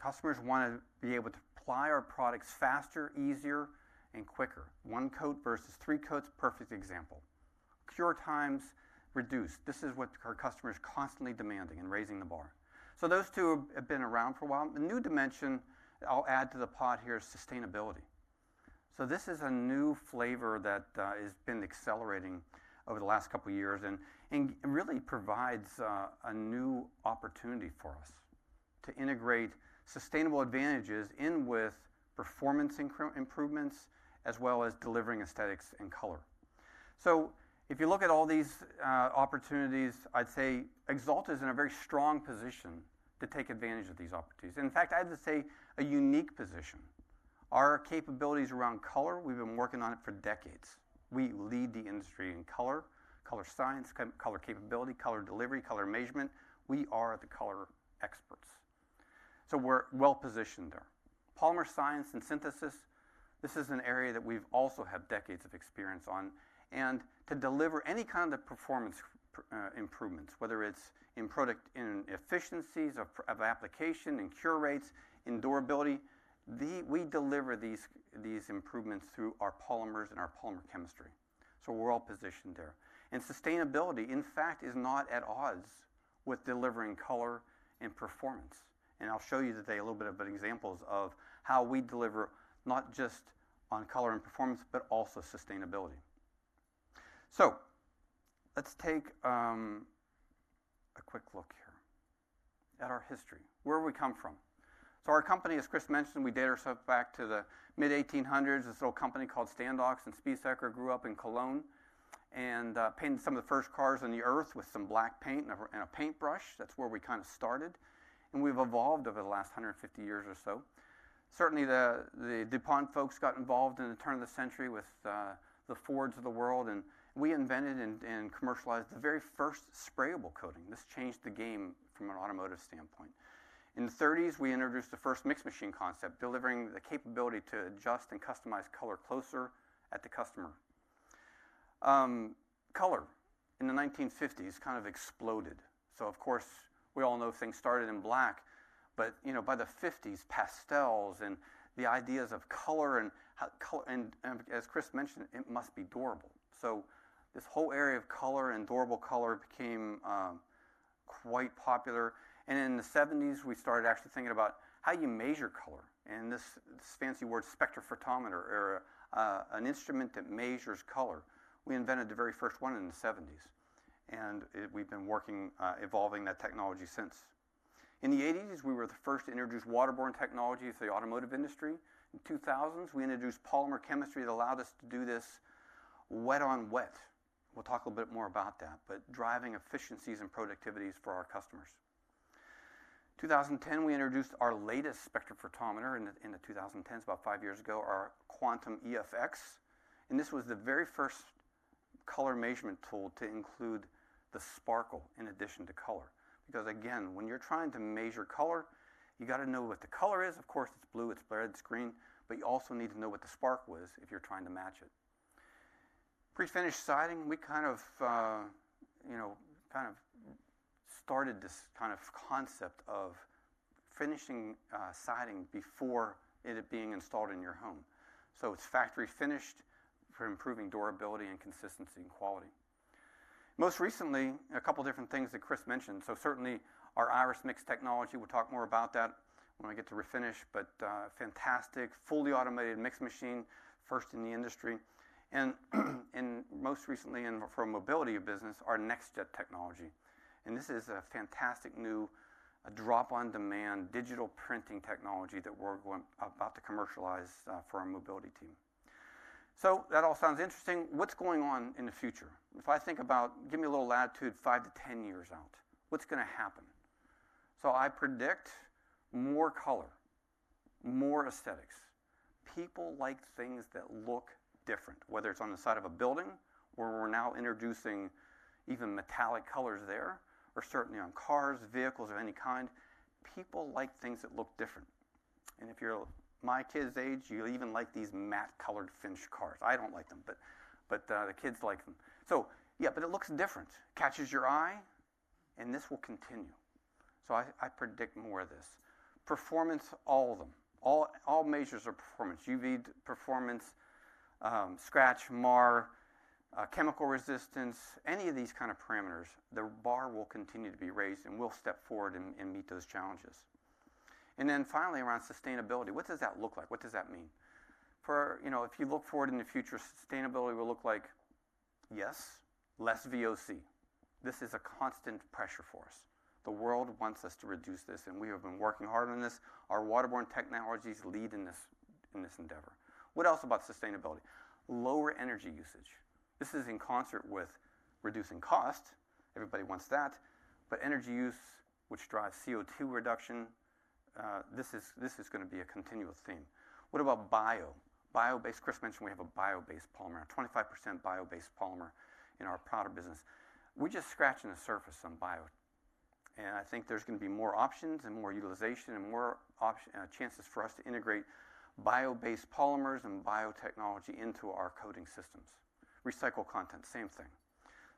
Customers want to be able to apply our products faster, easier, and quicker. One coat versus three coats, perfect example. Cure times reduced. This is what our customers are constantly demanding and raising the bar. So those two have been around for a while. The new dimension I'll add to the pot here is sustainability. So this is a new flavor that has been accelerating over the last couple of years and really provides a new opportunity for us to integrate sustainable advantages in with performance improvements as well as delivering aesthetics and color. So if you look at all these opportunities, I'd say Axalta is in a very strong position to take advantage of these opportunities. In fact, I'd say a unique position. Our capabilities around color, we've been working on it for decades. We lead the industry in color, color science, color capability, color delivery, color measurement. We are the color experts. So we're well positioned there. Polymer science and synthesis, this is an area that we've also had decades of experience on. To deliver any kind of performance improvements, whether it's in efficiencies of application and cure rates and durability, we deliver these improvements through our polymers and our polymer chemistry. So we're all positioned there. And sustainability, in fact, is not at odds with delivering color and performance. And I'll show you today a little bit of examples of how we deliver not just on color and performance, but also sustainability. So let's take a quick look here at our history. Where have we come from? So our company, as Chris mentioned, we date ourselves back to the mid-1800s. This little company called Standox and Spies Hecker grew up in Cologne and painted some of the first cars on the Earth with some black paint and a paintbrush. That's where we kind of started. And we've evolved over the last 150 years or so. Certainly, the DuPont folks got involved in the turn of the century with the Fords of the world. We invented and commercialized the very first sprayable coating. This changed the game from an automotive standpoint. In the 1930s, we introduced the first mixed machine concept, delivering the capability to adjust and customize color closer at the customer. Color in the 1950s kind of exploded. Of course, we all know things started in black. But by the 1950s, pastels and the ideas of color and, as Chris mentioned, it must be durable. This whole area of color and durable color became quite popular. In the 1970s, we started actually thinking about how you measure color. This fancy word, spectrophotometer, or an instrument that measures color, we invented the very first one in the 1970s. We've been working, evolving that technology since. In the 1980s, we were the first to introduce waterborne technology to the automotive industry. In the 2000s, we introduced polymer chemistry that allowed us to do this wet on wet. We'll talk a little bit more about that, but driving efficiencies and productivities for our customers. In 2010, we introduced our latest spectrophotometer. In the 2010s, about five years ago, our Quantum EFX. And this was the very first color measurement tool to include the sparkle in addition to color. Because, again, when you're trying to measure color, you got to know what the color is. Of course, it's blue, it's red, it's green. But you also need to know what the sparkle was if you're trying to match it. Prefinished siding, we kind of kind of started this kind of concept of finishing siding before it being installed in your home. So it's factory finished for improving durability and consistency and quality. Most recently, a couple of different things that Chris mentioned. So certainly, our Irus Mix technology, we'll talk more about that when I get to refinish. But fantastic, fully automated mixing machine, first in the industry. And most recently, from Mobility business, our NextJet technology. And this is a fantastic new drop-on-demand digital printing technology that we're about to commercialize for our mobility team. So that all sounds interesting. What's going on in the future? If I think about, give me a little latitude, five to 10 years out, what's going to happen? So I predict more color, more aesthetics. People like things that look different, whether it's on the side of a building where we're now introducing even metallic colors there, or certainly on cars, vehicles of any kind. People like things that look different. If you're my kids' age, you'll even like these matte-colored finished cars. I don't like them, but the kids like them. So yeah, but it looks different, catches your eye, and this will continue. So I predict more of this. Performance, all of them, all measures of performance, UV performance, scratch, mar, chemical resistance, any of these kind of parameters, the bar will continue to be raised and we'll step forward and meet those challenges. Then finally, around sustainability, what does that look like? What does that mean? If you look forward in the future, sustainability will look like, yes, less VOC. This is a constant pressure for us. The world wants us to reduce this, and we have been working hard on this. Our waterborne technologies lead in this endeavor. What else about sustainability? Lower energy usage. This is in concert with reducing cost. Everybody wants that. But energy use, which drives CO2 reduction, this is going to be a continual theme. What about bio? Bio-based, Chris mentioned we have a bio-based polymer, 25% bio-based polymer in our product business. We're just scratching the surface on bio. And I think there's going to be more options and more utilization and more chances for us to integrate bio-based polymers and biotechnology into our coating systems. Recycled content, same thing.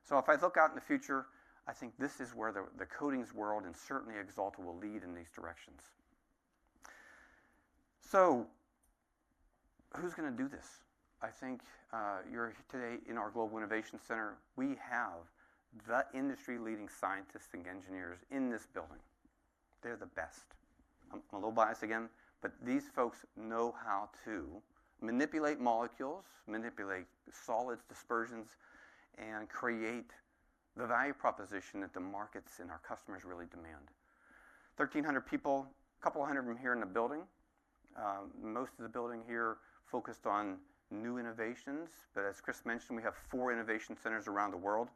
So if I look out in the future, I think this is where the coatings world and certainly Axalta will lead in these directions. So who's going to do this? I think you're here today in our Global Innovation Center. We have the industry-leading scientists and engineers in this building. They're the best. I'm a little biased again, but these folks know how to manipulate molecules, manipulate solids, dispersions, and create the value proposition that the markets and our customers really demand. 1,300 people, a couple of hundred of them here in the building. Most of the building here focused on new innovations. But as Chris mentioned, we have four innovation centers around the world,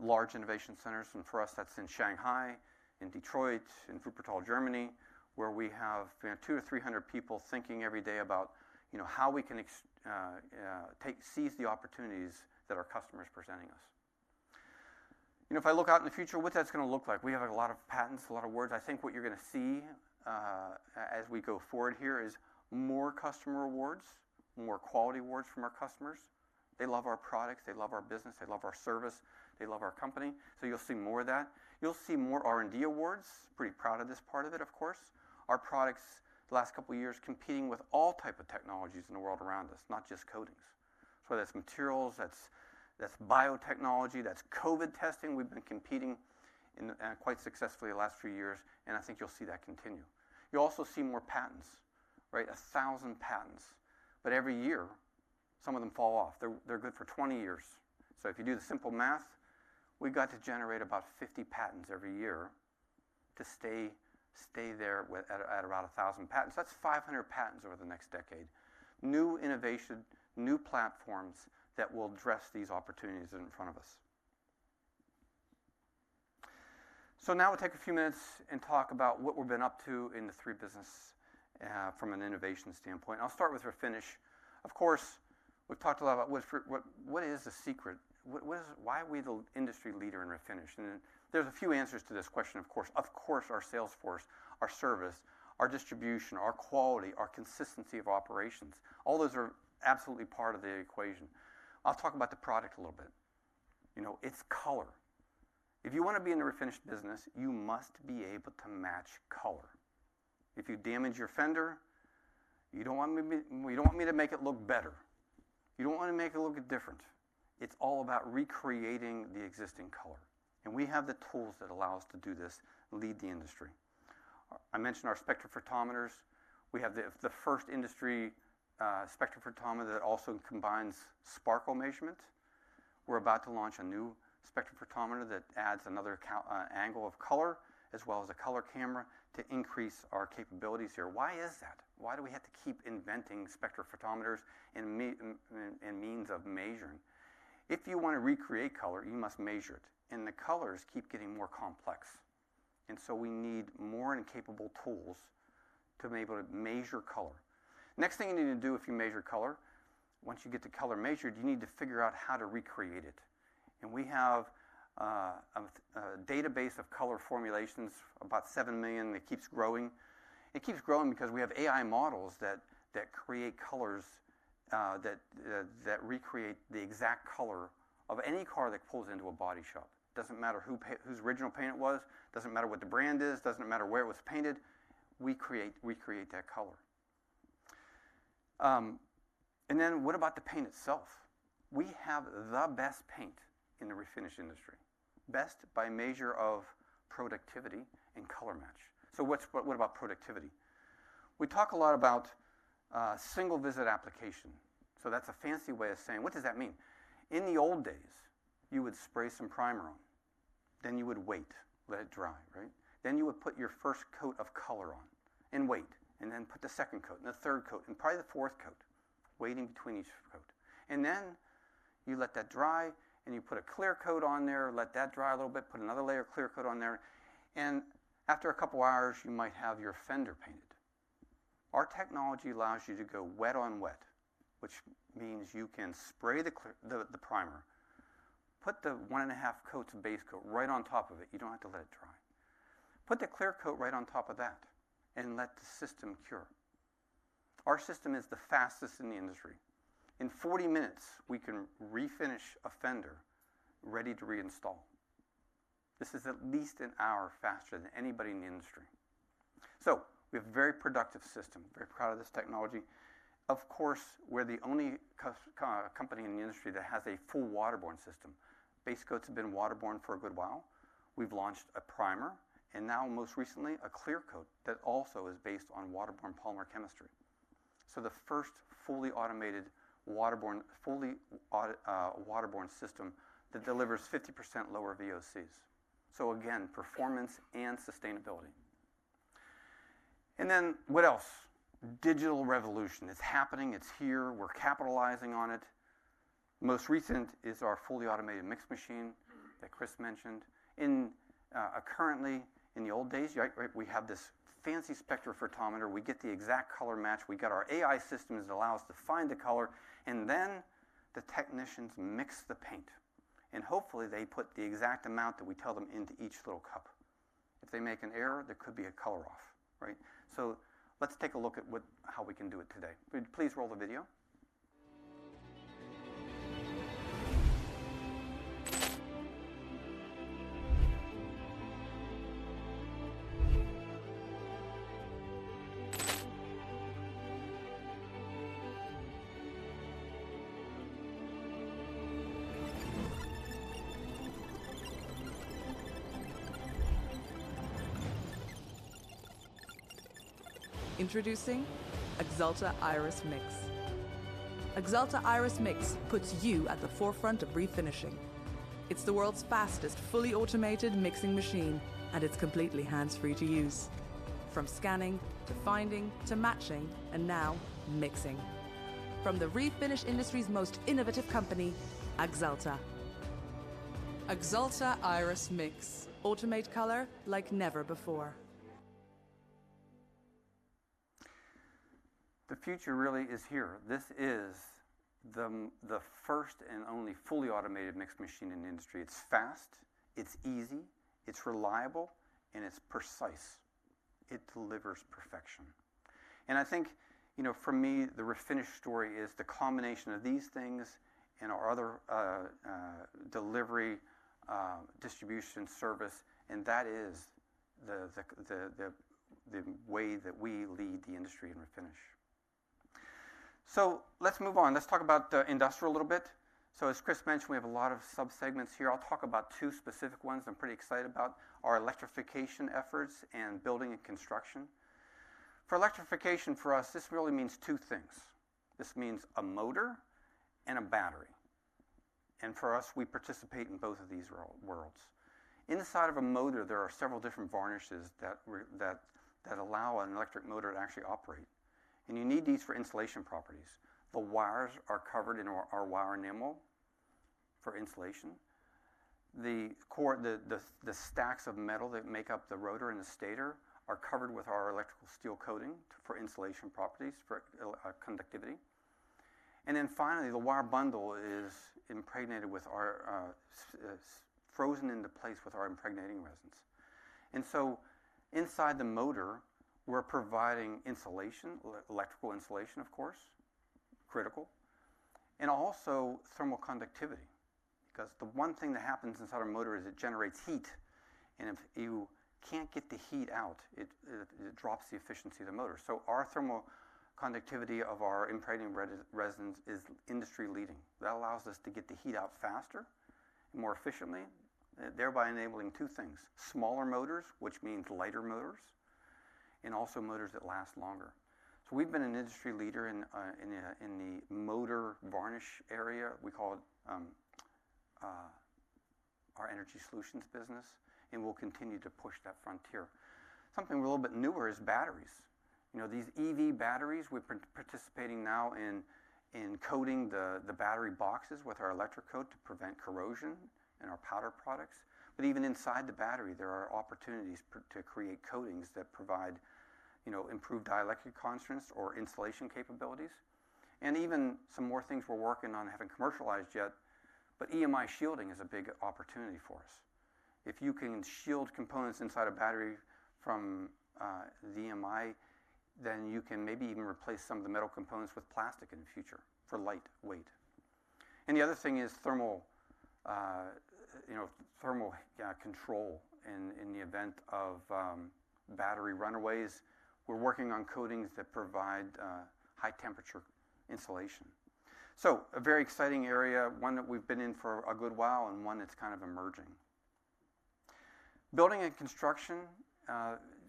large innovation centers. And for us, that's in Shanghai, in Detroit, in Wuppertal, Germany, where we have 200-300 people thinking every day about how we can seize the opportunities that our customers are presenting us. If I look out in the future, what that's going to look like? We have a lot of patents, a lot of words. I think what you're going to see as we go forward here is more customer awards, more quality awards from our customers. They love our products, they love our business, they love our service, they love our company. So you'll see more of that. You'll see more R&D awards. Pretty proud of this part of it, of course. Our products, the last couple of years, competing with all types of technologies in the world around us, not just coatings. So whether it's materials, that's biotechnology, that's COVID testing, we've been competing quite successfully the last few years. And I think you'll see that continue. You'll also see more patents, right? 1,000 patents. But every year, some of them fall off. They're good for 20 years. So if you do the simple math, we got to generate about 50 patents every year to stay there at around 1,000 patents. That's 500 patents over the next decade. New innovation, new platforms that will address these opportunities in front of us. So now we'll take a few minutes and talk about what we've been up to in the three businesses from an innovation standpoint. I'll start with refinish. Of course, we've talked a lot about what is the secret? Why are we the industry leader in refinish? And there's a few answers to this question, of course. Of course, our sales force, our service, our distribution, our quality, our consistency of operations, all those are absolutely part of the equation. I'll talk about the product a little bit. It's color. If you want to be in the refinish business, you must be able to match color. If you damage your fender, you don't want me to make it look better. You don't want to make it look different. It's all about recreating the existing color. And we have the tools that allow us to do this, lead the industry. I mentioned our spectrophotometers. We have the first industry spectrophotometer that also combines sparkle measurement. We're about to launch a new spectrophotometer that adds another angle of color as well as a color camera to increase our capabilities here. Why is that? Why do we have to keep inventing spectrophotometers and means of measuring? If you want to recreate color, you must measure it. And the colors keep getting more complex. And so we need more and capable tools to be able to measure color. Next thing you need to do if you measure color, once you get the color measured, you need to figure out how to recreate it. And we have a database of color formulations, about 7 million. It keeps growing. It keeps growing because we have AI models that create colors that recreate the exact color of any car that pulls into a body shop. It doesn't matter whose original paint it was, doesn't matter what the brand is, doesn't matter where it was painted. We create that color. And then what about the paint itself? We have the best paint in the refinish industry, best by measure of productivity and color match. So what about productivity? We talk a lot about single-visit application. So that's a fancy way of saying, what does that mean? In the old days, you would spray some primer on, then you would wait, let it dry, right? Then you would put your first coat of color on and wait, and then put the second coat and the third coat and probably the fourth coat, waiting between each coat. And then you let that dry, and you put a clear coat on there, let that dry a little bit, put another layer of clear coat on there. And after a couple of hours, you might have your fender painted. Our technology allows you to go wet on wet, which means you can spray the primer, put the 1.5 coats of base coat right on top of it. You don't have to let it dry. Put the clear coat right on top of that and let the system cure. Our system is the fastest in the industry. In 40 minutes, we can refinish a fender ready to reinstall. This is at least an hour faster than anybody in the industry. So we have a very productive system, very proud of this technology. Of course, we're the only company in the industry that has a full waterborne system. Base coats have been waterborne for a good while. We've launched a primer and now most recently a clear coat that also is based on waterborne polymer chemistry. So the first fully automated waterborne system that delivers 50% lower VOCs. So again, performance and sustainability. And then what else? Digital revolution. It's happening, it's here, we're capitalizing on it. Most recent is our fully automated mix machine that Chris mentioned. Currently, in the old days, we have this fancy spectrophotometer. We get the exact color match. We got our AI systems that allow us to find the color. And then the technicians mix the paint. And hopefully, they put the exact amount that we tell them into each little cup. If they make an error, there could be a color off, right? So let's take a look at how we can do it today. Please roll the video. Introducing Axalta Irus Mix. Axalta Irus Mix puts you at the forefront of refinishing. It's the world's fastest fully automated mixing machine, and it's completely hands-free to use. From scanning to finding to matching and now mixing. From the refinish industry's most innovative company, Axalta. Axalta Irus Mix, automate color like never before. The future really is here. This is the first and only fully automated mix machine in the industry. It's fast, it's easy, it's reliable, and it's precise. It delivers perfection. I think for me, the refinish story is the combination of these things and our other delivery, distribution, service. That is the way that we lead the industry in refinish. Let's move on. Let's talk about the industrial a little bit. As Chris mentioned, we have a lot of subsegments here. I'll talk about two specific ones I'm pretty excited about: our electrification efforts and building and construction. For electrification for us, this really means two things. This means a motor and a battery. For us, we participate in both of these worlds. Inside of a motor, there are several different varnishes that allow an electric motor to actually operate. And you need these for insulation properties. The wires are covered in our wire enamel for insulation. The stacks of metal that make up the rotor and the stator are covered with our electrical steel coating for insulation properties for conductivity. And then finally, the wire bundle is impregnated with our frozen into place with our impregnating resins. And so inside the motor, we're providing insulation, electrical insulation, of course, critical, and also thermal conductivity. Because the one thing that happens inside our motor is it generates heat. And if you can't get the heat out, it drops the efficiency of the motor. So our thermal conductivity of our impregnating resins is industry-leading. That allows us to get the heat out faster and more efficiently, thereby enabling two things: smaller motors, which means lighter motors, and also motors that last longer. So we've been an industry leader in the motor varnish area. We call it our energy solutions business, and we'll continue to push that frontier. Something a little bit newer is batteries. These EV batteries, we're participating now in coating the battery boxes with our E-coat to prevent corrosion in our powder products. But even inside the battery, there are opportunities to create coatings that provide improved dielectric constraints or insulation capabilities. And even some more things we're working on haven't commercialized yet, but EMI shielding is a big opportunity for us. If you can shield components inside a battery from the EMI, then you can maybe even replace some of the metal components with plastic in the future for light weight. And the other thing is thermal control in the event of battery runaways. We're working on coatings that provide high-temperature insulation. So a very exciting area, one that we've been in for a good while and one that's kind of emerging. Building and construction,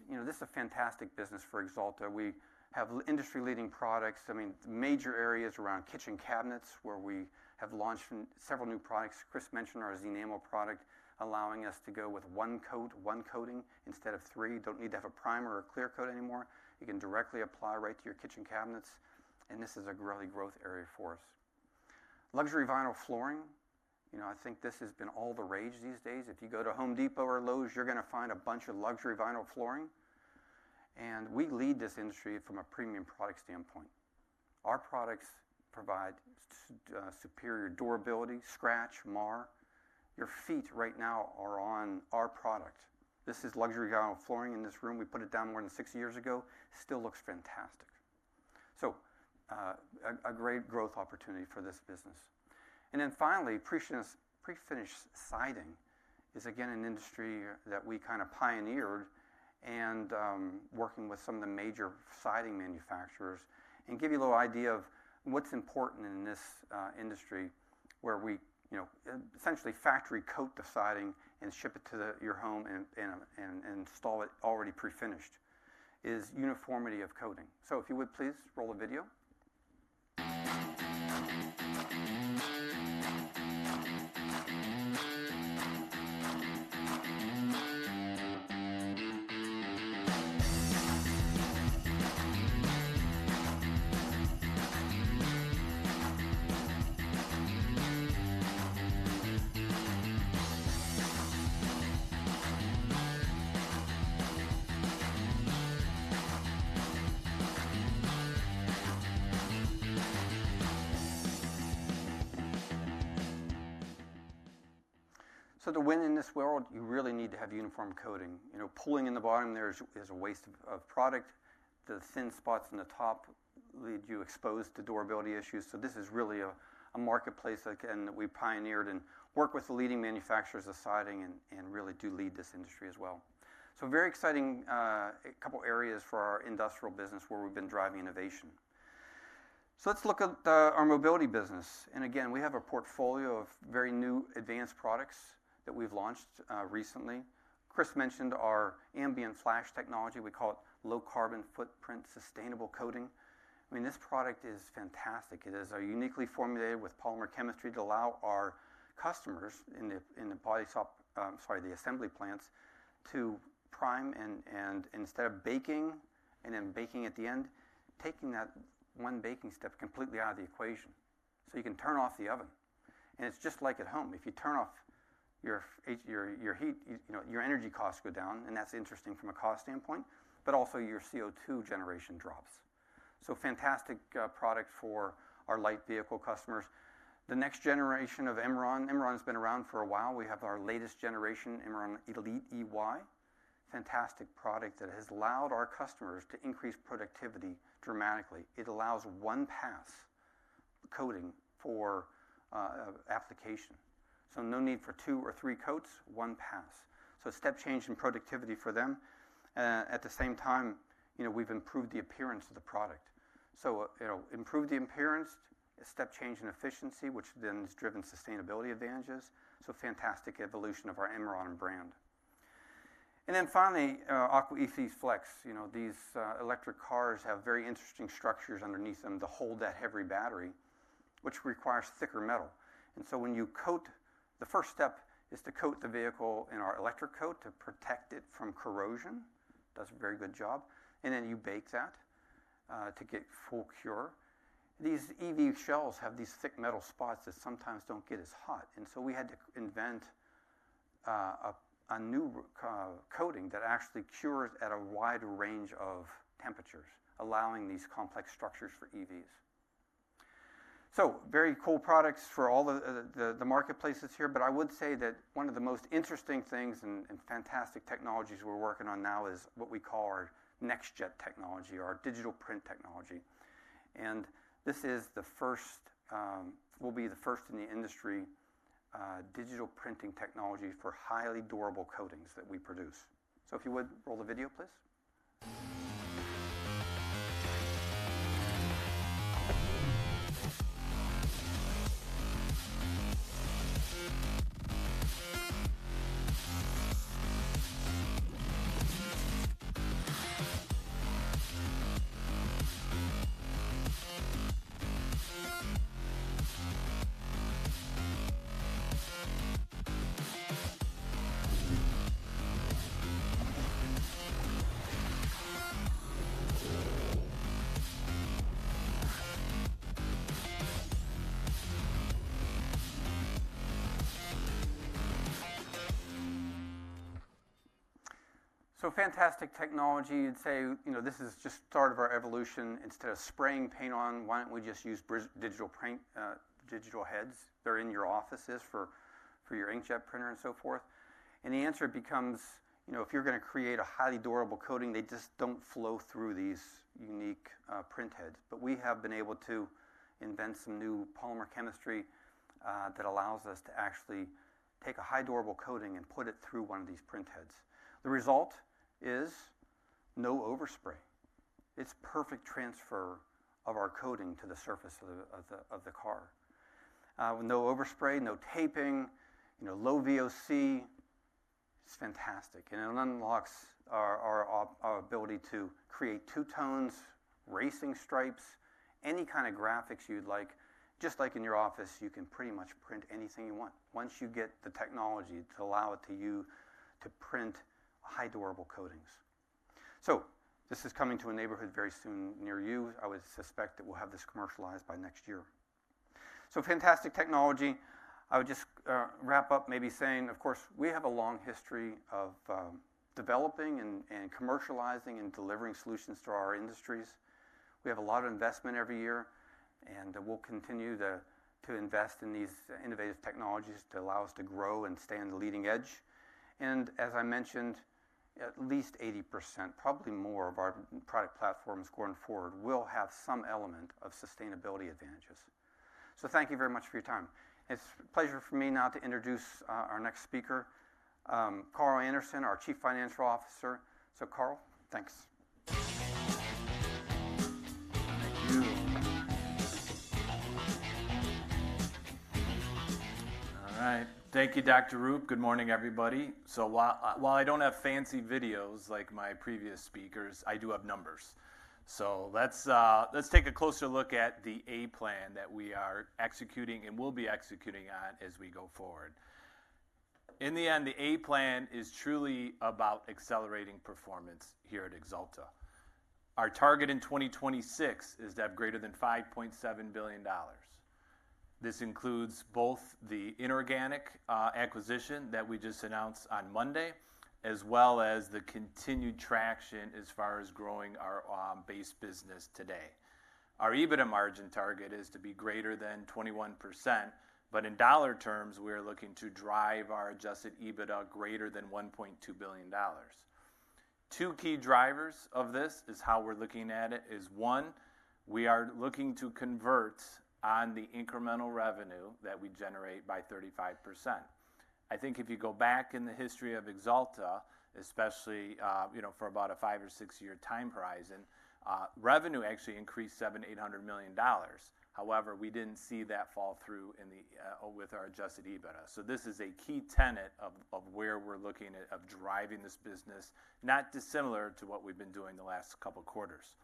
this is a fantastic business for Axalta. We have industry-leading products. I mean, major areas around kitchen cabinets where we have launched several new products. Chris mentioned our Zenamel product, allowing us to go with one coat, one coating instead of three. Don't need to have a primer or a clear coat anymore. You can directly apply right to your kitchen cabinets. And this is a really growth area for us. Luxury vinyl flooring, I think this has been all the rage these days. If you go to Home Depot or Lowe's, you're going to find a bunch of luxury vinyl flooring. And we lead this industry from a premium product standpoint. Our products provide superior durability: scratch, mar. Your feet right now are on our product. This is luxury vinyl flooring in this room. We put it down more than six years ago. Still looks fantastic. So a great growth opportunity for this business. And then finally, prefinished siding is again an industry that we kind of pioneered and working with some of the major siding manufacturers. And give you a little idea of what's important in this industry where we essentially factory coat the siding and ship it to your home and install it already prefinished is uniformity of coating. So if you would, please roll the video. So to win in this world, you really need to have uniform coating. Pulling in the bottom there is a waste of product. The thin spots in the top lead you exposed to durability issues. So this is really a marketplace again that we pioneered and work with the leading manufacturers of siding and really do lead this industry as well. So very exciting couple of areas for our industrial business where we've been driving innovation. So let's look at our mobility business. And again, we have a portfolio of very new advanced products that we've launched recently. Chris mentioned our Ambient Flash technology. We call it low carbon footprint sustainable coating. I mean, this product is fantastic. It is uniquely formulated with polymer chemistry to allow our customers in the poly, sorry, the assembly plants to prime and instead of baking and then baking at the end, taking that one baking step completely out of the equation. So you can turn off the oven. And it's just like at home. If you turn off your heat, your energy costs go down. That's interesting from a cost standpoint. But also your CO2 generation drops. Fantastic product for our light vehicle customers. The next generation of Imron. Imron has been around for a while. We have our latest generation, Imron Elite EY, fantastic product that has allowed our customers to increase productivity dramatically. It allows one pass coating for application. No need for two or three coats, one pass. Step change in productivity for them. At the same time, we've improved the appearance of the product. Improved the appearance, a step change in efficiency, which then has driven sustainability advantages. Fantastic evolution of our Imron brand. Finally, AquaEC Flex. These electric cars have very interesting structures underneath them to hold that heavy battery, which requires thicker metal. When you coat, the first step is to coat the vehicle in our E-coat to protect it from corrosion. Does a very good job. Then you bake that to get full cure. These EV shells have these thick metal spots that sometimes don't get as hot. So we had to invent a new coating that actually cures at a wide range of temperatures, allowing these complex structures for EVs. Very cool products for all the marketplaces here. But I would say that one of the most interesting things and fantastic technologies we're working on now is what we call our NextJet technology, our digital print technology. This will be the first in the industry digital printing technology for highly durable coatings that we produce. So if you would, roll the video, please. Fantastic technology. You'd say this is just the start of our evolution. Instead of spraying paint on, why don't we just use digital heads? They're in your offices for your inkjet printer and so forth. And the answer becomes if you're going to create a highly durable coating, they just don't flow through these unique print heads. But we have been able to invent some new polymer chemistry that allows us to actually take a high durable coating and put it through one of these print heads. The result is no overspray. It's perfect transfer of our coating to the surface of the car. No overspray, no taping, low VOC. It's fantastic. And it unlocks our ability to create two tones, racing stripes, any kind of graphics you'd like. Just like in your office, you can pretty much print anything you want once you get the technology to allow you to print high durable coatings. So this is coming to a neighborhood very soon near you. I would suspect that we'll have this commercialized by next year. So fantastic technology. I would just wrap up maybe saying, of course, we have a long history of developing and commercializing and delivering solutions to our industries. We have a lot of investment every year. And we'll continue to invest in these innovative technologies to allow us to grow and stay on the leading edge. And as I mentioned, at least 80%, probably more of our product platforms going forward will have some element of sustainability advantages. So thank you very much for your time. It's a pleasure for me now to introduce our next speaker, Carl Anderson, our Chief Financial Officer. So Carl, thanks. Thank you. All right. Thank you, Dr. Roop. Good morning, everybody. So while I don't have fancy videos like my previous speakers, I do have numbers. So let's take a closer look at the A Plan that we are executing and will be executing on as we go forward. In the end, the A Plan is truly about accelerating performance here at Axalta. Our target in 2026 is to have greater than $5.7 billion. This includes both the inorganic acquisition that we just announced on Monday, as well as the continued traction as far as growing our base business today. Our EBITDA margin target is to be greater than 21%. But in dollar terms, we are looking to drive our adjusted EBITDA greater than $1.2 billion. Two key drivers of this is how we're looking at it. One, we are looking to convert on the incremental revenue that we generate by 35%. I think if you go back in the history of Axalta, especially for about a 5- or 6-year time horizon, revenue actually increased $700 million-$800 million. However, we didn't see that fall through with our Adjusted EBITDA. So this is a key tenet of where we're looking at driving this business, not dissimilar to what we've been doing the last couple of quarters.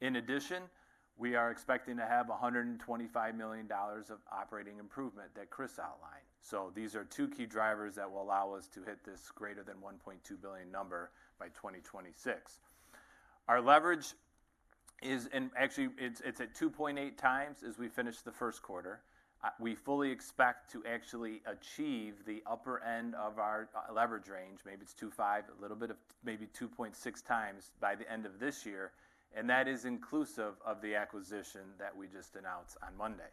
In addition, we are expecting to have $125 million of operating improvement that Chris outlined. So these are two key drivers that will allow us to hit this greater than $1.2 billion number by 2026. Our leverage is actually at 2.8 times as we finish the first quarter. We fully expect to actually achieve the upper end of our leverage range. Maybe it's 2.5x, a little bit of maybe 2.6x by the end of this year. That is inclusive of the acquisition that we just announced on Monday.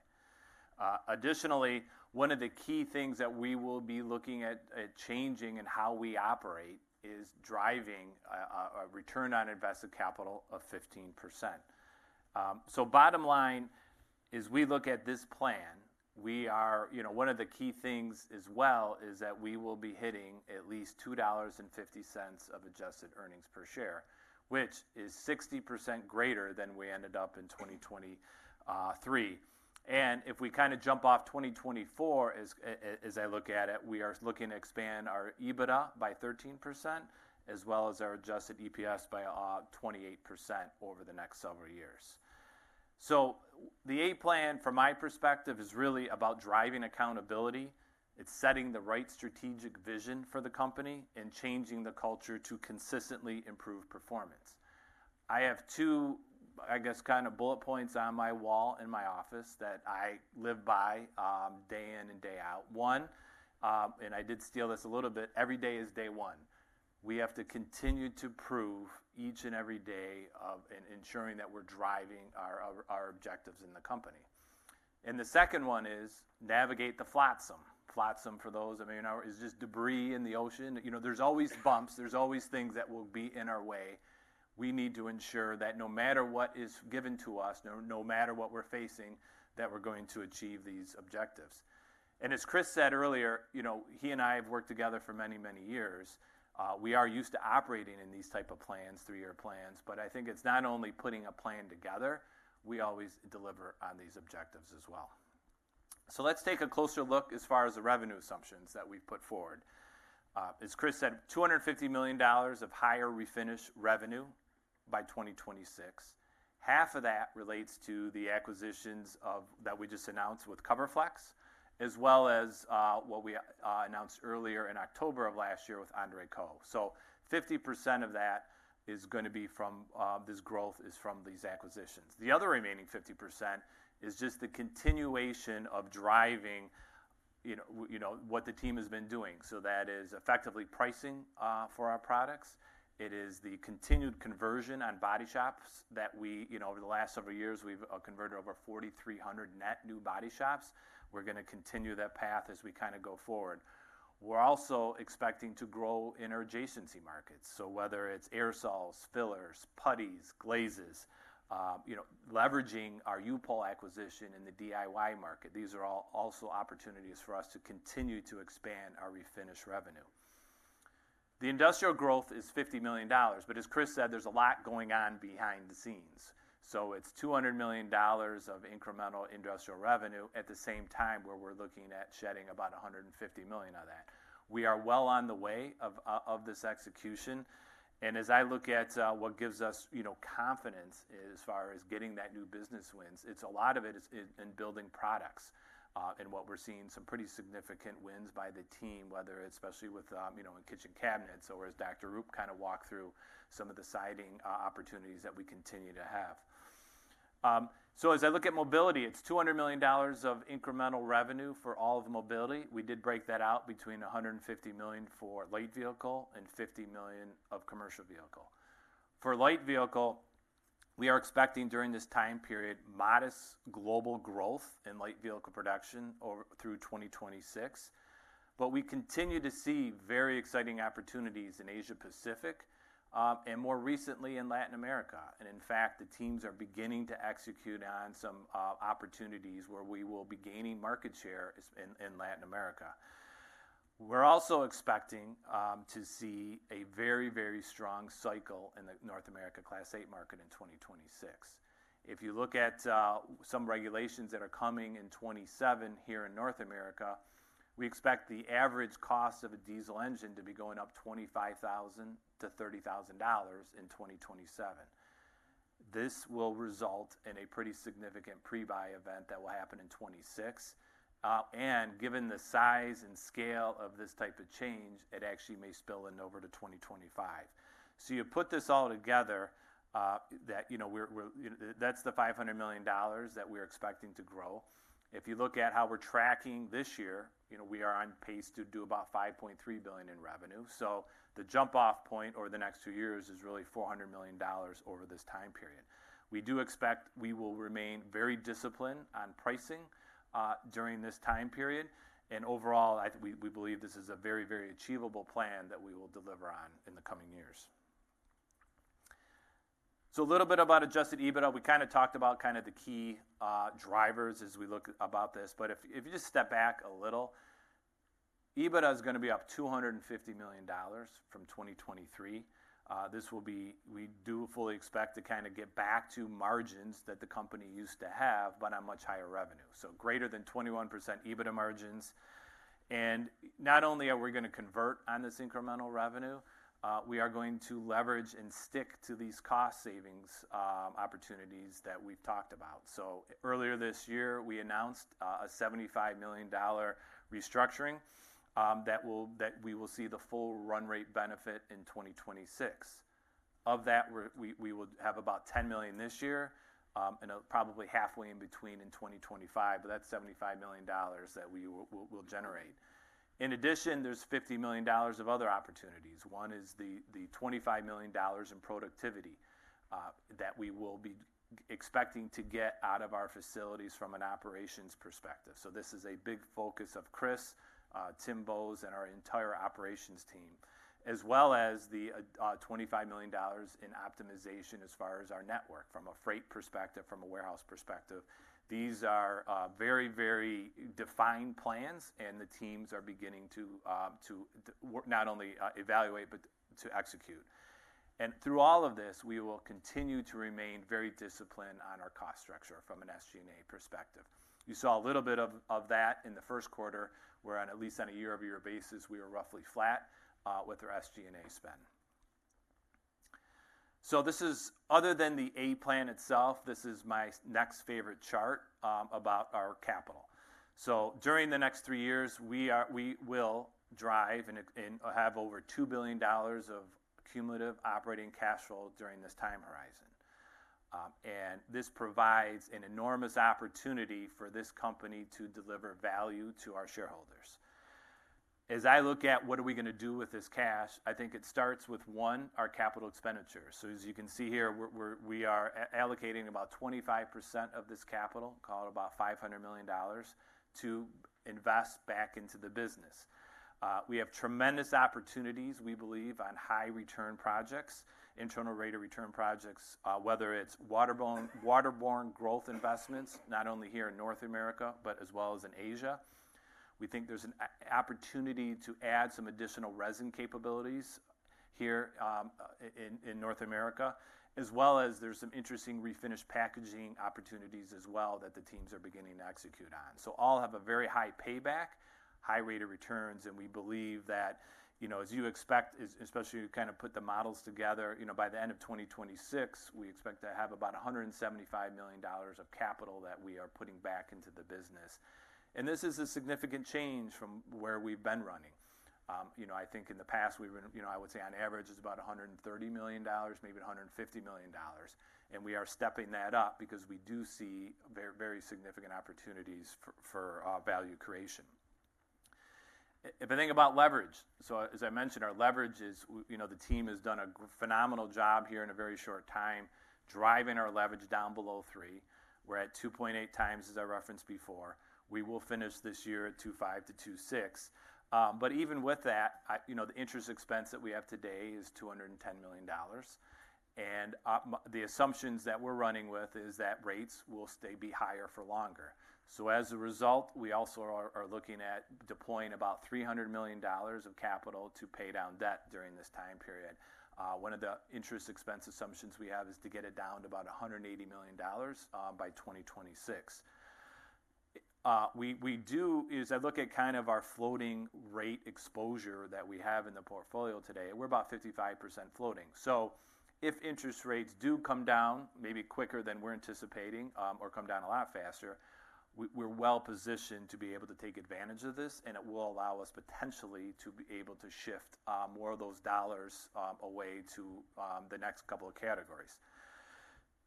Additionally, one of the key things that we will be looking at changing in how we operate is driving a return on invested capital of 15%. Bottom line is we look at this plan, one of the key things as well is that we will be hitting at least $2.50 of adjusted earnings per share, which is 60% greater than we ended up in 2023. If we kind of jump off 2024, as I look at it, we are looking to expand our EBITDA by 13% as well as our adjusted EPS by 28% over the next several years. The A Plan, from my perspective, is really about driving accountability. It's setting the right strategic vision for the company and changing the culture to consistently improve performance. I have two, I guess, kind of bullet points on my wall in my office that I live by day in and day out. One, and I did steal this a little bit, every day is day one. We have to continue to prove each and every day of ensuring that we're driving our objectives in the company. And the second one is navigate the flotsam. Flotsam, for those of you who know, is just debris in the ocean. There's always bumps. There's always things that will be in our way. We need to ensure that no matter what is given to us, no matter what we're facing, that we're going to achieve these objectives. And as Chris said earlier, he and I have worked together for many, many years. We are used to operating in these type of plans, three-year plans. But I think it's not only putting a plan together, we always deliver on these objectives as well. So let's take a closer look as far as the revenue assumptions that we've put forward. As Chris said, $250 million of higher refinish revenue by 2026. Half of that relates to the acquisitions that we just announced with CoverFlexx, as well as what we announced earlier in October of last year with André Koch. So 50% of that is going to be from this growth is from these acquisitions. The other remaining 50% is just the continuation of driving what the team has been doing. So that is effectively pricing for our products. It is the continued conversion on body shops that over the last several years, we've converted over 4,300 net new body shops. We're going to continue that path as we kind of go forward. We're also expecting to grow in our adjacency markets. So whether it's aerosols, fillers, putties, glazes, leveraging our U-POL acquisition in the DIY market, these are all also opportunities for us to continue to expand our refinish revenue. The industrial growth is $50 million. But as Chris said, there's a lot going on behind the scenes. So it's $200 million of incremental industrial revenue at the same time where we're looking at shedding about $150 million of that. We are well on the way of this execution. And as I look at what gives us confidence as far as getting that new business wins, a lot of it is in building products. And what we're seeing, some pretty significant wins by the team, whether especially with kitchen cabinets. So whereas Dr.Roop kind of walked through some of the sizing opportunities that we continue to have. So as I look at mobility, it's $200 million of incremental revenue for all of the mobility. We did break that out between $150 million for light vehicle and $50 million of commercial vehicle. For light vehicle, we are expecting during this time period modest global growth in light vehicle production through 2026. But we continue to see very exciting opportunities in Asia-Pacific and more recently in Latin America. And in fact, the teams are beginning to execute on some opportunities where we will be gaining market share in Latin America. We're also expecting to see a very, very strong cycle in the North America Class 8 market in 2026. If you look at some regulations that are coming in 2027 here in North America, we expect the average cost of a diesel engine to be going up $25,000-$30,000 in 2027. This will result in a pretty significant pre-buy event that will happen in 2026. Given the size and scale of this type of change, it actually may spill in over to 2025. So you put this all together, that's the $500 million that we're expecting to grow. If you look at how we're tracking this year, we are on pace to do about $5.3 billion in revenue. So the jump-off point over the next two years is really $400 million over this time period. We do expect we will remain very disciplined on pricing during this time period. Overall, we believe this is a very, very achievable plan that we will deliver on in the coming years. A little bit about Adjusted EBITDA. We kind of talked about kind of the key drivers as we look about this. But if you just step back a little, EBITDA is going to be up $250 million from 2023. We do fully expect to kind of get back to margins that the company used to have but on much higher revenue. Greater than 21% EBITDA margins. Not only are we going to convert on this incremental revenue, we are going to leverage and stick to these cost savings opportunities that we've talked about. Earlier this year, we announced a $75 million restructuring that we will see the full run rate benefit in 2026. Of that, we will have about $10 million this year and probably halfway in between in 2025. But that's $75 million that we will generate. In addition, there's $50 million of other opportunities. One is the $25 million in productivity that we will be expecting to get out of our facilities from an operations perspective. So this is a big focus of Chris, Tim Bowes and our entire operations team, as well as the $25 million in optimization as far as our network from a freight perspective, from a warehouse perspective. These are very, very defined plans. And the teams are beginning to not only evaluate but to execute. And through all of this, we will continue to remain very disciplined on our cost structure from an SG&A perspective. You saw a little bit of that in the first quarter where, at least on a year-over-year basis, we were roughly flat with our SG&A spend. So other than the A Plan itself, this is my next favorite chart about our capital. So during the next three years, we will drive and have over $2 billion of cumulative operating cash flow during this time horizon. And this provides an enormous opportunity for this company to deliver value to our shareholders. As I look at what are we going to do with this cash, I think it starts with, one, our capital expenditures. So as you can see here, we are allocating about 25% of this capital, call it about $500 million, to invest back into the business. We have tremendous opportunities, we believe, on high return projects, internal rate of return projects, whether it's waterborne growth investments, not only here in North America but as well as in Asia. We think there's an opportunity to add some additional resin capabilities here in North America, as well as there's some interesting refinished packaging opportunities as well that the teams are beginning to execute on. So all have a very high payback, high rate of returns. And we believe that, as you expect, especially as you kind of put the models together, by the end of 2026, we expect to have about $175 million of capital that we are putting back into the business. And this is a significant change from where we've been running. I think in the past, I would say on average, it's about $130 million, maybe $150 million. We are stepping that up because we do see very significant opportunities for value creation. If I think about leverage, so as I mentioned, our leverage is the team has done a phenomenal job here in a very short time driving our leverage down below 3. We're at 2.8 times, as I referenced before. We will finish this year at 2.5-2.6. Even with that, the interest expense that we have today is $210 million. The assumptions that we're running with is that rates will be higher for longer. As a result, we also are looking at deploying about $300 million of capital to pay down debt during this time period. One of the interest expense assumptions we have is to get it down to about $180 million by 2026. As I look at kind of our floating rate exposure that we have in the portfolio today, we're about 55% floating. So if interest rates do come down, maybe quicker than we're anticipating or come down a lot faster, we're well positioned to be able to take advantage of this. And it will allow us potentially to be able to shift more of those dollars away to the next couple of categories.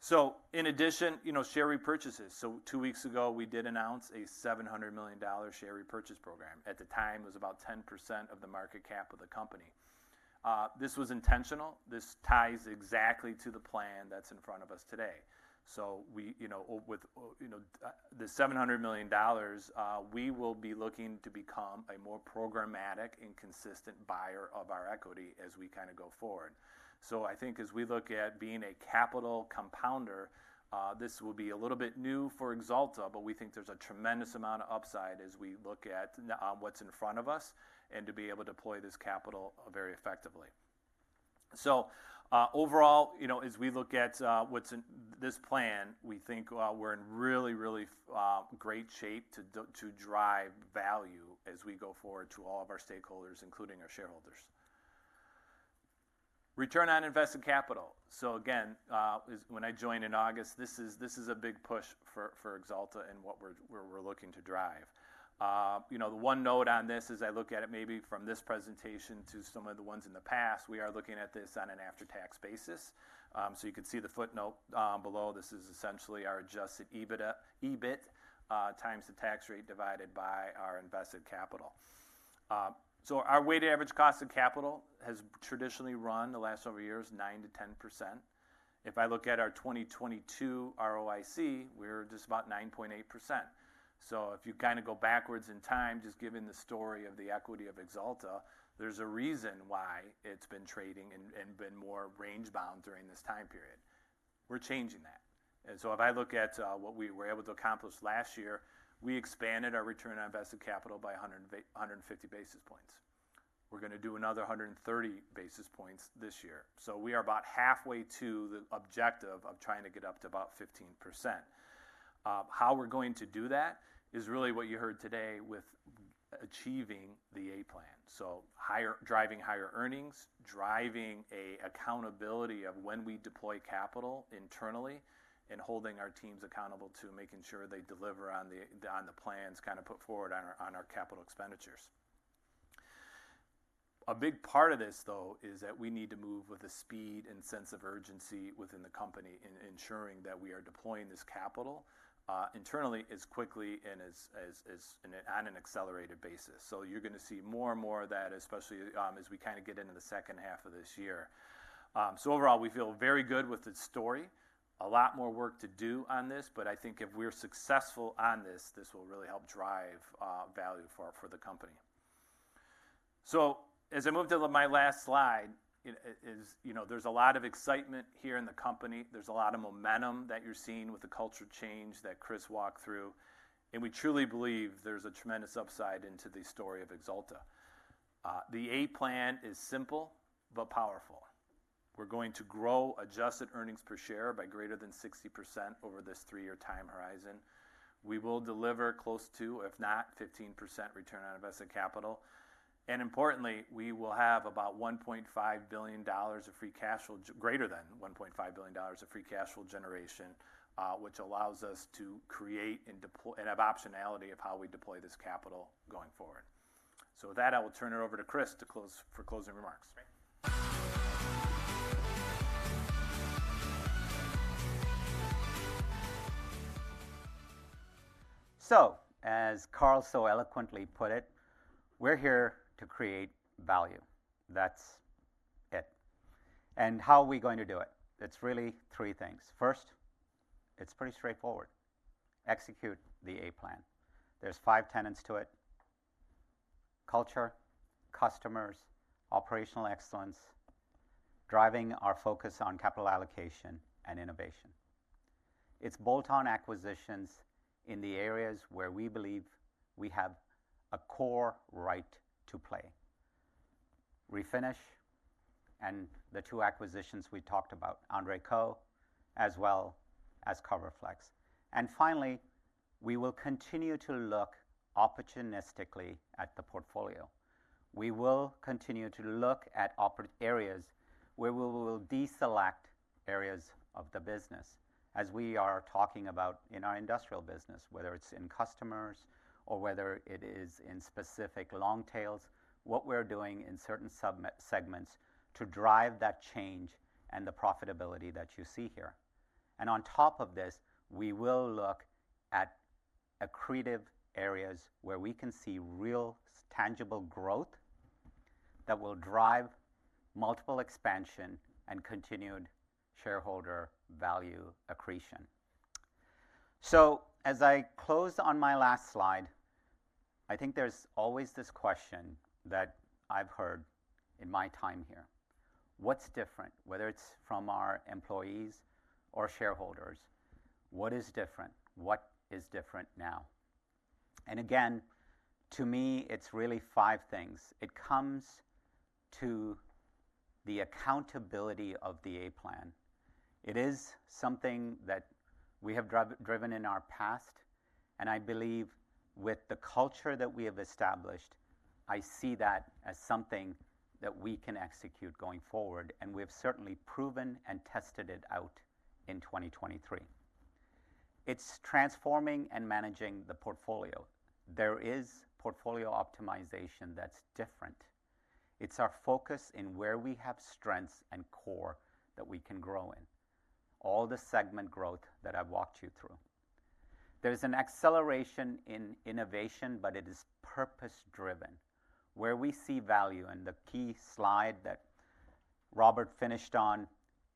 So in addition, share repurchases. So two weeks ago, we did announce a $700 million share repurchase program. At the time, it was about 10% of the market cap of the company. This was intentional. This ties exactly to the plan that's in front of us today. So with the $700 million, we will be looking to become a more programmatic and consistent buyer of our equity as we kind of go forward. So I think as we look at being a capital compounder, this will be a little bit new for Axalta. But we think there's a tremendous amount of upside as we look at what's in front of us and to be able to deploy this capital very effectively. So overall, as we look at this plan, we think we're in really, really great shape to drive value as we go forward to all of our stakeholders, including our shareholders. Return on invested capital. So again, when I joined in August, this is a big push for Axalta and what we're looking to drive. The one note on this is I look at it maybe from this presentation to some of the ones in the past, we are looking at this on an after-tax basis. So you can see the footnote below. This is essentially our adjusted EBIT times the tax rate divided by our invested capital. So our weighted average cost of capital has traditionally run the last several years 9%-10%. If I look at our 2022 ROIC, we're just about 9.8%. So if you kind of go backwards in time, just given the story of the equity of Axalta, there's a reason why it's been trading and been more range-bound during this time period. We're changing that. And so if I look at what we were able to accomplish last year, we expanded our return on invested capital by 150 basis points. We're going to do another 130 basis points this year. So we are about halfway to the objective of trying to get up to about 15%. How we're going to do that is really what you heard today with achieving the A Plan. So driving higher earnings, driving an accountability of when we deploy capital internally, and holding our teams accountable to making sure they deliver on the plans kind of put forward on our capital expenditures. A big part of this, though, is that we need to move with a speed and sense of urgency within the company, ensuring that we are deploying this capital internally as quickly and on an accelerated basis. So you're going to see more and more of that, especially as we kind of get into the second half of this year. So overall, we feel very good with the story. A lot more work to do on this. But I think if we're successful on this, this will really help drive value for the company. So as I move to my last slide, there's a lot of excitement here in the company. There's a lot of momentum that you're seeing with the culture change that Chris walked through. And we truly believe there's a tremendous upside into the story of Axalta. The A Plan is simple but powerful. We're going to grow adjusted earnings per share by greater than 60% over this three-year time horizon. We will deliver close to, if not 15% return on invested capital. And importantly, we will have about $1.5 billion of free cash flow greater than $1.5 billion of free cash flow generation, which allows us to create and have optionality of how we deploy this capital going forward. So with that, I will turn it over to Chris for closing remarks. So as Carl so eloquently put it, we're here to create value. That's it. And how are we going to do it? It's really three things. First, it's pretty straightforward. Execute the A Plan. There's five tenets to it: culture, customers, operational excellence, driving our focus on capital allocation and innovation. It's bolt-on acquisitions in the areas where we believe we have a core right to play: refinish and the two acquisitions we talked about, André Koch, as well as CoverFlexx. And finally, we will continue to look opportunistically at the portfolio. We will continue to look at areas where we will deselect areas of the business, as we are talking about in our industrial business, whether it's in customers or whether it is in specific long tails, what we're doing in certain segments to drive that change and the profitability that you see here. And on top of this, we will look at accretive areas where we can see real, tangible growth that will drive multiple expansion and continued shareholder value accretion. So as I close on my last slide, I think there's always this question that I've heard in my time here: what's different, whether it's from our employees or shareholders? What is different? What is different now? And again, to me, it's really five things. It comes to the accountability of the A Plan. It is something that we have driven in our past. And I believe with the culture that we have established, I see that as something that we can execute going forward. And we have certainly proven and tested it out in 2023. It's transforming and managing the portfolio. There is portfolio optimization that's different. It's our focus in where we have strengths and core that we can grow in, all the segment growth that I've walked you through. There's an acceleration in innovation, but it is purpose-driven, where we see value. The key slide that Robert finished on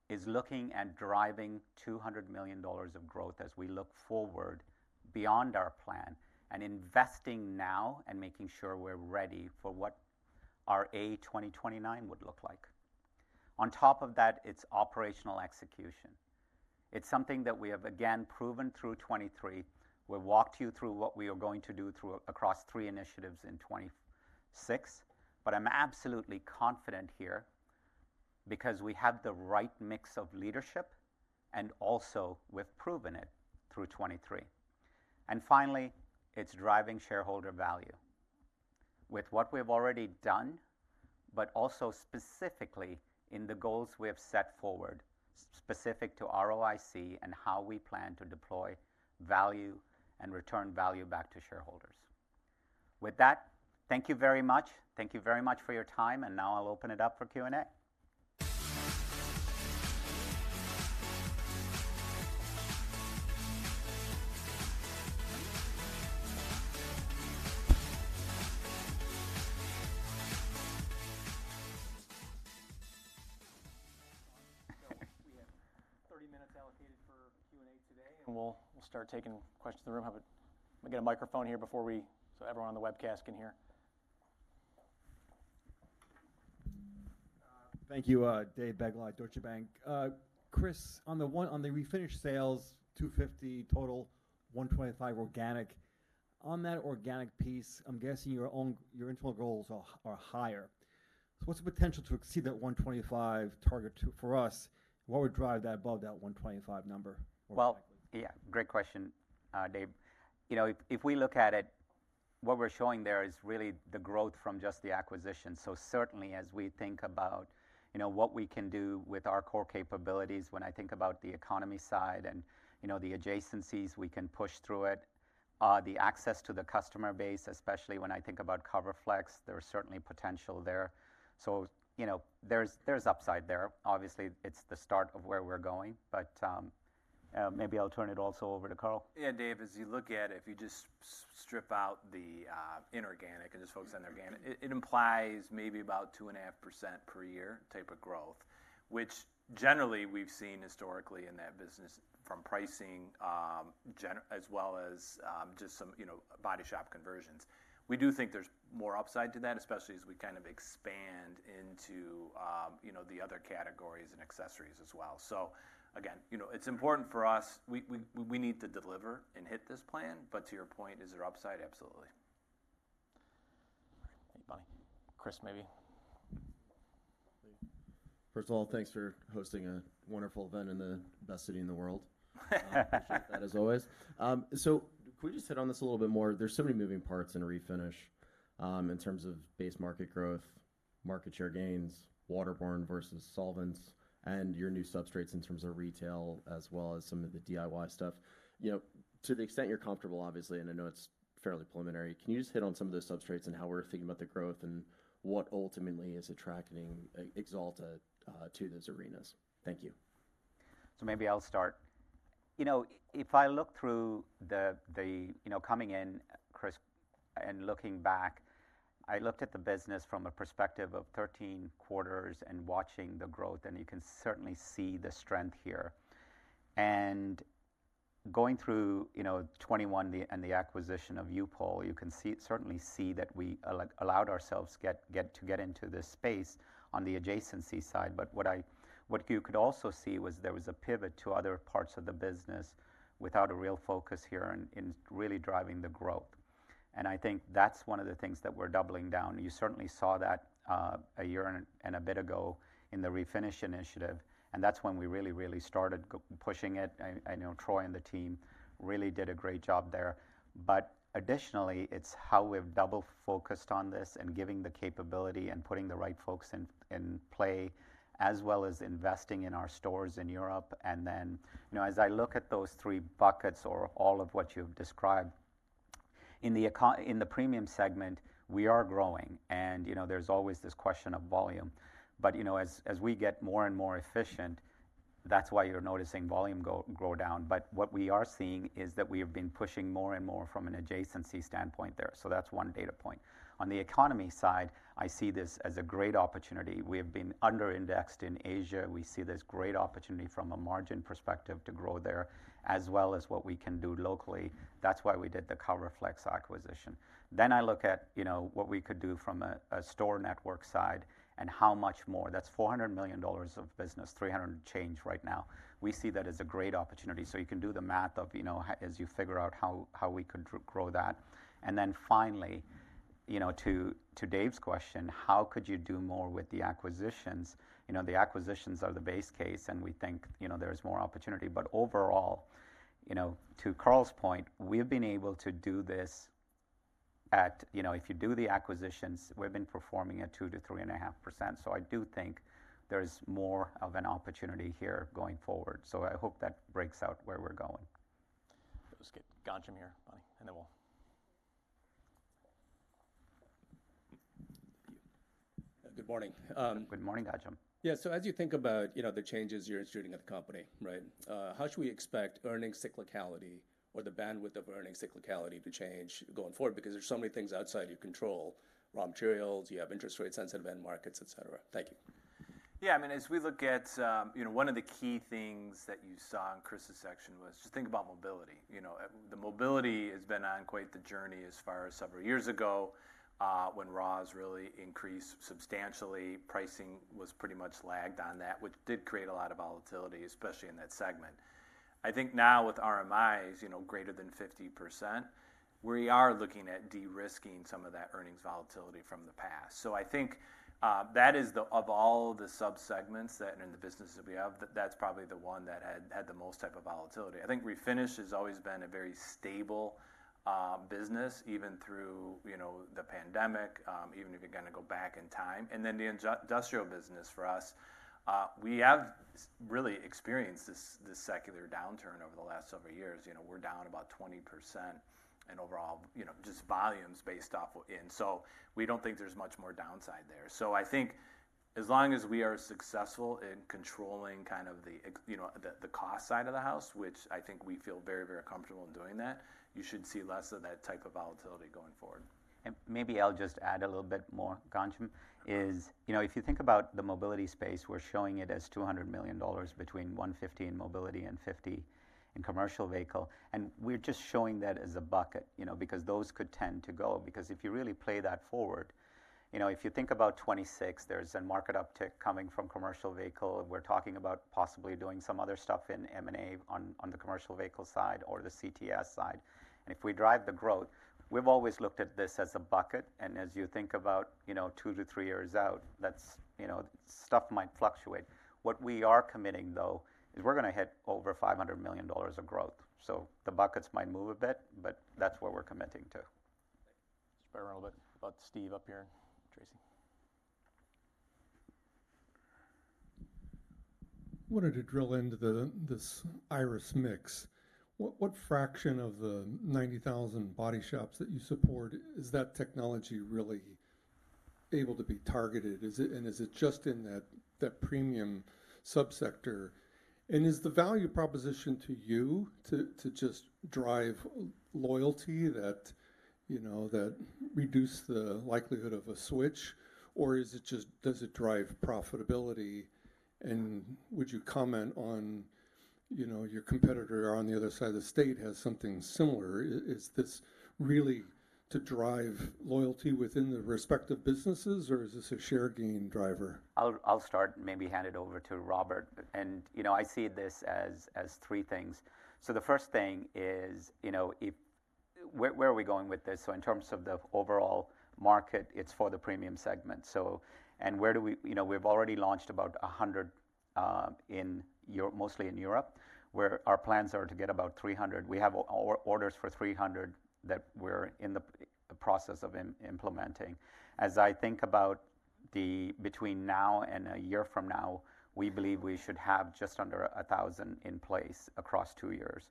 is looking at driving $200 million of growth as we look forward beyond our plan and investing now and making sure we're ready for what our 2029 would look like. On top of that, it's operational execution. It's something that we have, again, proven through 2023. We've walked you through what we are going to do across three initiatives in 2026. I'm absolutely confident here because we have the right mix of leadership and also we've proven it through 2023. Finally, it's driving shareholder value with what we have already done, but also specifically in the goals we have set forward, specific to ROIC and how we plan to deploy value and return value back to shareholders. With that, thank you very much. Thank you very much for your time. Now I'll open it up for Q&A. So we have 30 minutes allocated for Q&A today. We'll start taking questions in the room. I'm going to get a microphone here before we do so everyone on the webcast can hear. Thank you, David Begleiter, Deutsche Bank. Chris, on the refinish sales, $250 million total, $125 million organic. On that organic piece, I'm guessing your internal goals are higher. So what's the potential to exceed that $125 million target for us? What would drive that above that $125 million number more likely? Well, yeah, great question, Dave. If we look at it, what we're showing there is really the growth from just the acquisition. So certainly, as we think about what we can do with our core capabilities, when I think about the economy side and the adjacencies, we can push through it. The access to the customer base, especially when I think about CoverFlexx, there's certainly potential there. So there's upside there. Obviously, it's the start of where we're going. But maybe I'll turn it also over to Carl. Yeah, Dave, as you look at it, if you just strip out the inorganic and just focus on the organic, it implies maybe about 2.5% per year type of growth, which generally we've seen historically in that business from pricing as well as just some body shop conversions. We do think there's more upside to that, especially as we kind of expand into the other categories and accessories as well. So again, it's important for us. We need to deliver and hit this plan. But to your point, is there upside? Absolutely. All right. Chris, maybe. First of all, thanks for hosting a wonderful event in the best city in the world. Appreciate that, as always. So can we just hit on this a little bit more? There's so many moving parts in refinish in terms of base market growth, market share gains, waterborne versus solvents, and your new substrates in terms of retail as well as some of the DIY stuff. To the extent you're comfortable, obviously, and I know it's fairly preliminary, can you just hit on some of those substrates and how we're thinking about the growth and what ultimately is attracting Axalta to those arenas? Thank you. So maybe I'll start. If I look through the coming in, Chris, and looking back, I looked at the business from a perspective of 13 quarters and watching the growth. And you can certainly see the strength here. And going through 2021 and the acquisition of U-POL, you can certainly see that we allowed ourselves to get into this space on the adjacency side. But what you could also see was, there was a pivot to other parts of the business without a real focus here in really driving the growth. I think that's one of the things that we're doubling down. You certainly saw that a year and a bit ago in the refinish initiative. That's when we really, really started pushing it. Troy and the team really did a great job there. But additionally, it's how we've double-focused on this and giving the capability and putting the right folks in play as well as investing in our stores in Europe. Then as I look at those three buckets or all of what you've described, in the premium segment, we are growing. There's always this question of volume. But as we get more and more efficient, that's why you're noticing volume growth down. But what we are seeing is that we have been pushing more and more from an adjacency standpoint there. So that's one data point. On the economy side, I see this as a great opportunity. We have been underindexed in Asia. We see this great opportunity from a margin perspective to grow there as well as what we can do locally. That's why we did the CoverFlexx acquisition. Then I look at what we could do from a store network side and how much more. That's $400 million of business, $300 million change right now. We see that as a great opportunity. So you can do the math as you figure out how we could grow that. And then finally, to Dave's question, how could you do more with the acquisitions? The acquisitions are the base case. And we think there's more opportunity. But overall, to Carl's point, we've been able to do this at, if you do the acquisitions, we've been performing at 2%-3.5%. So I do think there's more of an opportunity here going forward. So I hope that breaks out where we're going. That was good. Ghansham here. Good morning. Good morning, Ghansham. Yeah. So as you think about the changes you're instituting at the company, right, how should we expect earnings cyclicality or the bandwidth of earnings cyclicality to change going forward? Because there's so many things outside your control: raw materials, you have interest rate-sensitive end markets, etc. Thank you. Yeah. I mean, as we look at one of the key things that you saw in Chris's section was just think about mobility. The mobility has been on quite the journey as far as several years ago when raws really increased substantially. Pricing was pretty much lagged on that, which did create a lot of volatility, especially in that segment. I think now with RMIs greater than 50%, we are looking at de-risking some of that earnings volatility from the past. So I think that is, of all the subsegments and the businesses that we have, that's probably the one that had the most type of volatility. I think refinish has always been a very stable business even through the pandemic, even if you're going to go back in time. And then the industrial business for us, we have really experienced this secular downturn over the last several years. We're down about 20% in overall just volumes based off what in. So we don't think there's much more downside there. So I think as long as we are successful in controlling kind of the cost side of the house, which I think we feel very, very comfortable in doing that, you should see less of that type of volatility going forward. And maybe I'll just add a little bit more, Ghansham, is if you think about the mobility space, we're showing it as $200 million between $150 million in mobility and $50 million in commercial vehicle. And we're just showing that as a bucket because those could tend to go. Because if you really play that forward, if you think about 2026, there's a market uptick coming from commercial vehicle. We're talking about possibly doing some other stuff in M&A on the commercial vehicle side or the CTS side. And if we drive the growth, we've always looked at this as a bucket. As you think about two to three years out, stuff might fluctuate. What we are committing, though, is we're going to hit over $500 million of growth. So the buckets might move a bit, but that's what we're committing to. Thank you. I wanted to drill into this Irus Mix. What fraction of the 90,000 body shops that you support, is that technology really able to be targeted? And is it just in that premium subsector? And is the value proposition to you to just drive loyalty that reduces the likelihood of a switch? Or does it drive profitability? And would you comment on your competitor on the other side of the state has something similar? Is this really to drive loyalty within the respective businesses, or is this a share gain driver? I'll start and maybe hand it over to Robert. I see this as three things. The first thing is where are we going with this? In terms of the overall market, it's for the premium segment. We've already launched about 100 mostly in Europe, where our plans are to get about 300. We have orders for 300 that we're in the process of implementing. As I think about between now and a year from now, we believe we should have just under 1,000 in place across two years.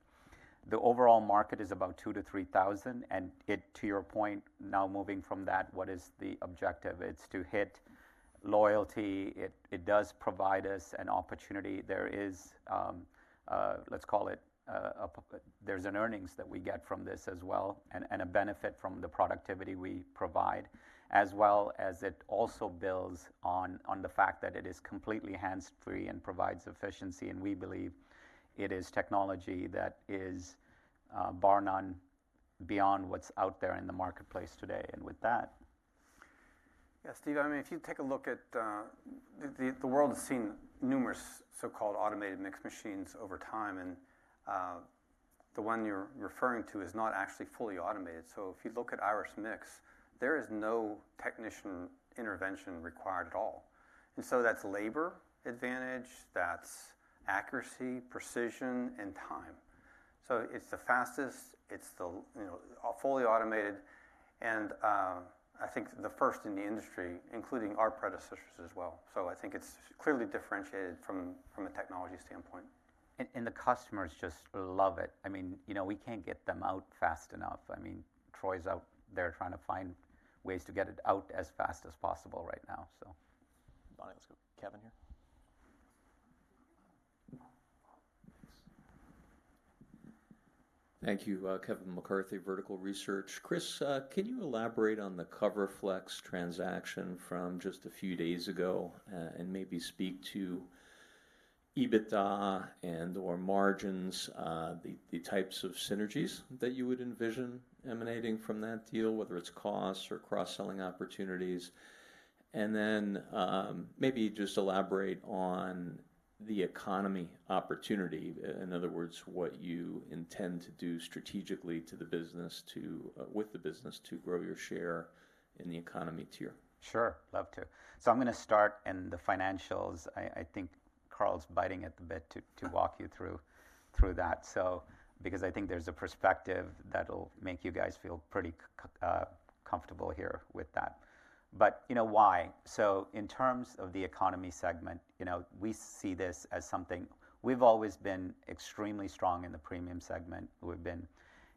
The overall market is about 2,000-3,000. To your point, now moving from that, what is the objective? It's to hit loyalty. It does provide us an opportunity. Let's call it, there's an earnings that we get from this as well and a benefit from the productivity we provide, as well as it also builds on the fact that it is completely hands-free and provides efficiency. We believe it is technology that is bar none beyond what's out there in the marketplace today. And with that. Yeah, Steve, I mean, if you take a look, the world has seen numerous so-called automated mix machines over time. The one you're referring to is not actually fully automated. So if you look at Irus Mix, there is no technician intervention required at all. So that's labor advantage. That's accuracy, precision, and time. So it's the fastest. It's fully automated. I think the first in the industry, including our predecessors as well. So I think it's clearly differentiated from a technology standpoint. And the customers just love it. I mean, we can't get them out fast enough. I mean, Troy's out there trying to find ways to get it out as fast as possible right now, so. Let's get Kevin here. Thanks. Thank you, Kevin McCarthy, Vertical Research Partners. Chris, can you elaborate on the CoverFlexx transaction from just a few days ago and maybe speak to EBITDA and/or margins, the types of synergies that you would envision emanating from that deal, whether it's costs or cross-selling opportunities? And then maybe just elaborate on the economy opportunity, in other words, what you intend to do strategically with the business to grow your share in the economy tier. Sure, love to. So I'm going to start in the financials. I think Carl's biting at the bit to walk you through that because I think there's a perspective that'll make you guys feel pretty comfortable here with that. But why? So in terms of the economy segment, we see this as something we've always been extremely strong in the premium segment.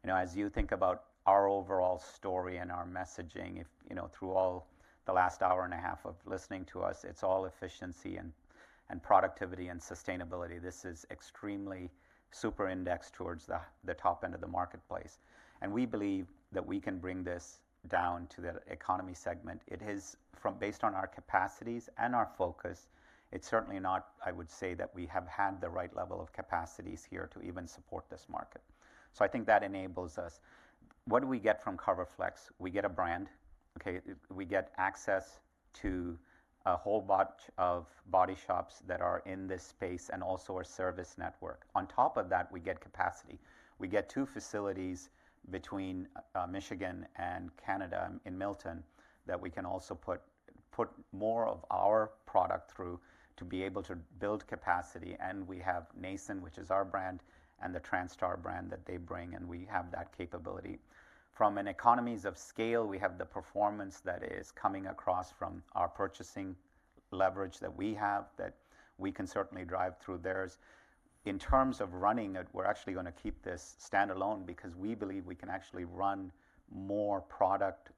As you think about our overall story and our messaging, through all the last hour and a half of listening to us, it's all efficiency and productivity and sustainability. This is extremely super-indexed towards the top end of the marketplace. And we believe that we can bring this down to the economy segment. Based on our capacities and our focus, it's certainly not, I would say, that we have had the right level of capacities here to even support this market. So I think that enables us. What do we get from CoverFlexx? We get a brand, okay? We get access to a whole bunch of body shops that are in this space and also our service network. On top of that, we get capacity. We get two facilities between Michigan and Canada in Milton that we can also put more of our product through to be able to build capacity. And we have Nason, which is our brand, and the Transtar brand that they bring. And we have that capability. From an economies of scale, we have the performance that is coming across from our purchasing leverage that we have that we can certainly drive through theirs. In terms of running it, we're actually going to keep this standalone because we believe we can actually run more product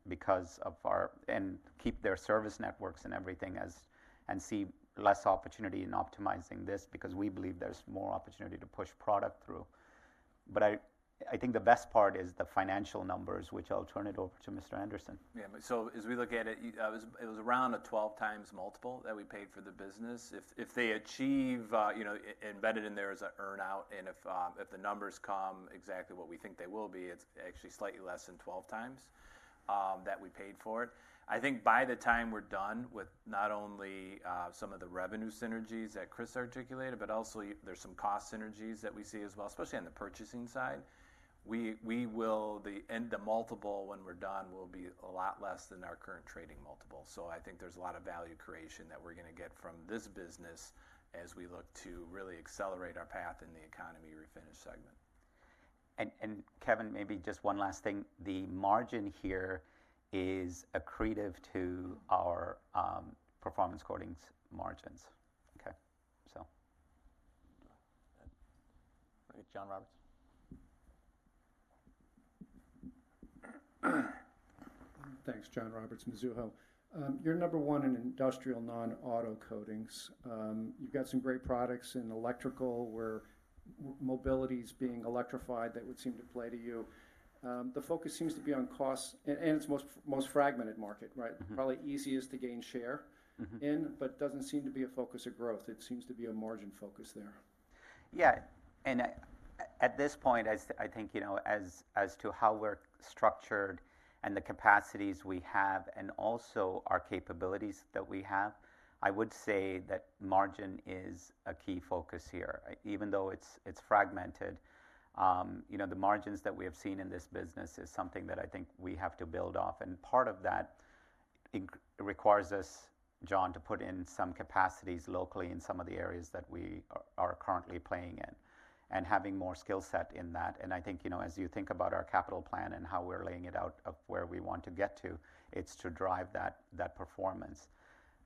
and keep their service networks and everything and see less opportunity in optimizing this because we believe there's more opportunity to push product through. But I think the best part is the financial numbers, which I'll turn it over to Mr. Anderson. Yeah. So as we look at it, it was around a 12x multiple that we paid for the business. If they achieve, embedded in there is an earnout. And if the numbers come exactly what we think they will be, it's actually slightly less than 12x that we paid for it. I think by the time we're done with not only some of the revenue synergies that Chris articulated, but also there's some cost synergies that we see as well, especially on the purchasing side, the multiple when we're done will be a lot less than our current trading multiple. So I think there's a lot of value creation that we're going to get from this business as we look to really accelerate our path in the economy refinish segment. And Kevin, maybe just one last thing. The margin here is accretive to our performance coating margins, okay, so. John Roberts. Thanks, John Roberts, Mizuho. You're number one in industrial non-auto coatings. You've got some great products in electrical where mobility is being electrified that would seem to play to you. The focus seems to be on costs. It's the most fragmented market, right? Probably easiest to gain share in but doesn't seem to be a focus of growth. It seems to be a margin focus there. Yeah. At this point, I think as to how we're structured and the capacities we have and also our capabilities that we have, I would say that margin is a key focus here, even though it's fragmented. The margins that we have seen in this business is something that I think we have to build off. And part of that requires us, John, to put in some capacities locally in some of the areas that we are currently playing in and having more skill set in that. And I think as you think about our capital plan and how we're laying it out of where we want to get to, it's to drive that performance.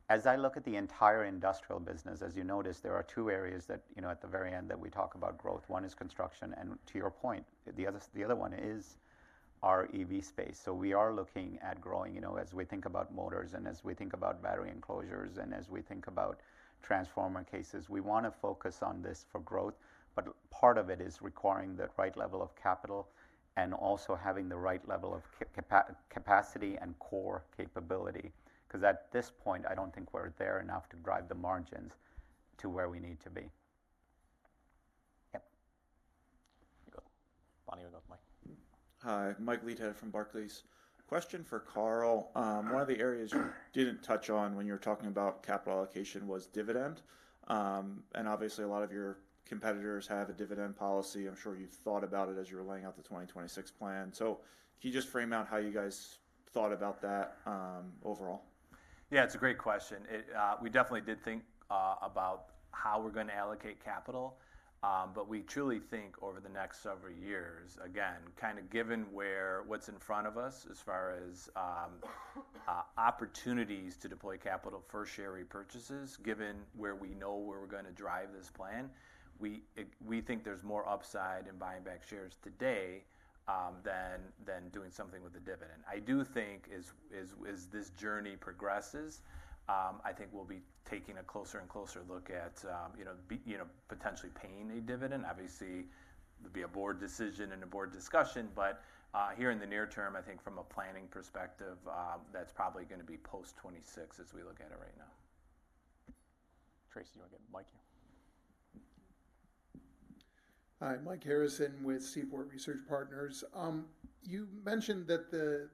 As I look at the entire industrial business, as you notice, there are two areas at the very end that we talk about growth. One is construction. And to your point, the other one is our EV space. So we are looking at growing. As we think about motors and as we think about battery enclosures and as we think about transformer cases, we want to focus on this for growth. But part of it is requiring the right level of capital and also having the right level of capacity and core capability because at this point, I don't think we're there enough to drive the margins to where we need to be. We've got Mike. Hi, Mike Leithead from Barclays. Question for Carl. One of the areas you didn't touch on when you were talking about capital allocation was dividend. And obviously, a lot of your competitors have a dividend policy. I'm sure you thought about it as you were laying out the 2026 plan. So can you just frame out how you guys thought about that overall? Yeah, it's a great question. We definitely did think about how we're going to allocate capital. But we truly think over the next several years, again, kind of given what's in front of us as far as opportunities to deploy capital for share repurchases, given where we know where we're going to drive this plan, we think there's more upside in buying back shares today than doing something with a dividend. I do think as this journey progresses, I think we'll be taking a closer and closer look at potentially paying a dividend. Obviously, it'll be a board decision and a board discussion. But here in the near term, I think from a planning perspective, that's probably going to be post 2026 as we look at it right now. Tracy, do you want to get Mike here? Hi, Mike Harrison with Seaport Research Partners. You mentioned that the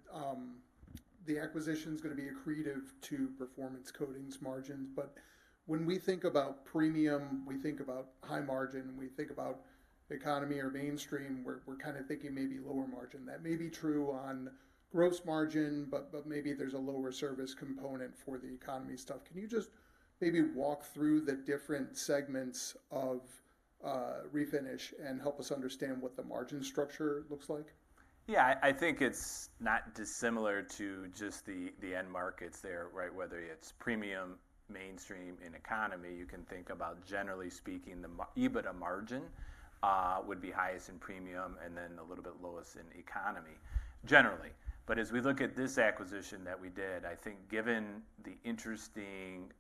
acquisition is going to be accretive to Performance Coatings margins. When we think about premium, we think about high margin. We think about economy or mainstream, we're kind of thinking maybe lower margin. That may be true on gross margin, but maybe there's a lower service component for the economy stuff. Can you just maybe walk through the different segments of refinish and help us understand what the margin structure looks like? Yeah, I think it's not dissimilar to just the end markets there, right? Whether it's premium, mainstream, in economy, you can think about, generally speaking, the EBITDA margin would be highest in premium and then a little bit lowest in economy, generally. But as we look at this acquisition that we did, I think given the interesting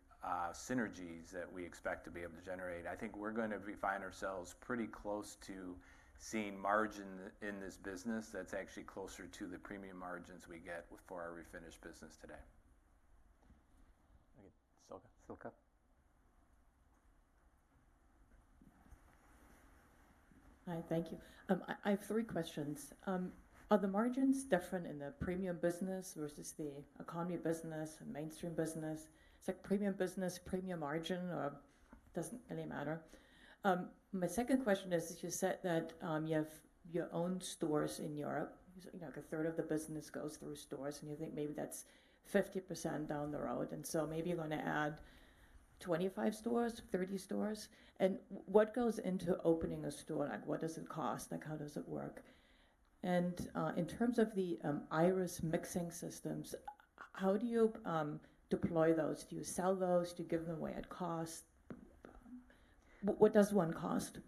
synergies that we expect to be able to generate, I think we're going to find ourselves pretty close to seeing margin in this business that's actually closer to the premium margins we get for our refinish business today. Hi, thank you. I have three questions. Are the margins different in the premium business versus the economy business and mainstream business? Is it premium business, premium margin, or it doesn't really matter? My second question is, as you said that you have your own stores in Europe, a third of the business goes through stores, and you think maybe that's 50% down the road. And so maybe you're going to add 25 stores, 30 stores? And what goes into opening a store? What does it cost? How does it work? And in terms of the Irus mixing systems, how do you deploy those? Do you sell those? Do you give them away at cost? What does one cost?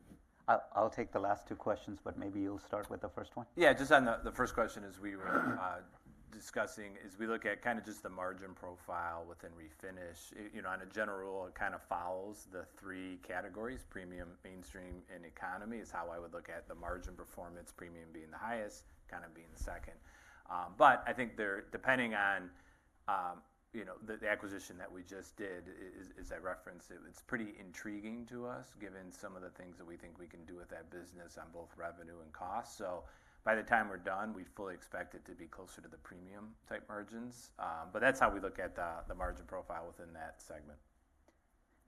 I'll take the last two questions, but maybe you'll start with the first one. Yeah, just on the first question, as we were discussing, as we look at kind of just the margin profile within refinish, in general, it kind of follows the three categories: premium, mainstream, and economy is how I would look at the margin performance, premium being the highest, kind of being second. But I think depending on the acquisition that we just did, as I referenced, it's pretty intriguing to us given some of the things that we think we can do with that business on both revenue and cost. So by the time we're done, we fully expect it to be closer to the premium-type margins. But that's how we look at the margin profile within that segment.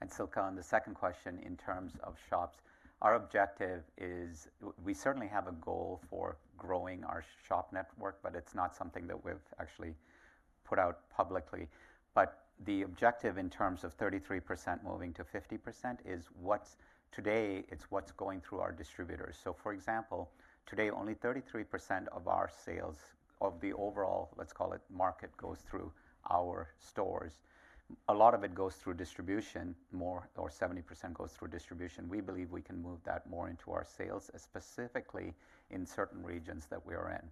And Silke, on the second question, in terms of shops, our objective is we certainly have a goal for growing our shop network, but it's not something that we've actually put out publicly. But the objective in terms of 33% moving to 50% is today, it's what's going through our distributors. So for example, today, only 33% of the overall, let's call it, market goes through our stores. A lot of it goes through distribution, more or 70% goes through distribution. We believe we can move that more into our sales, specifically in certain regions that we are in.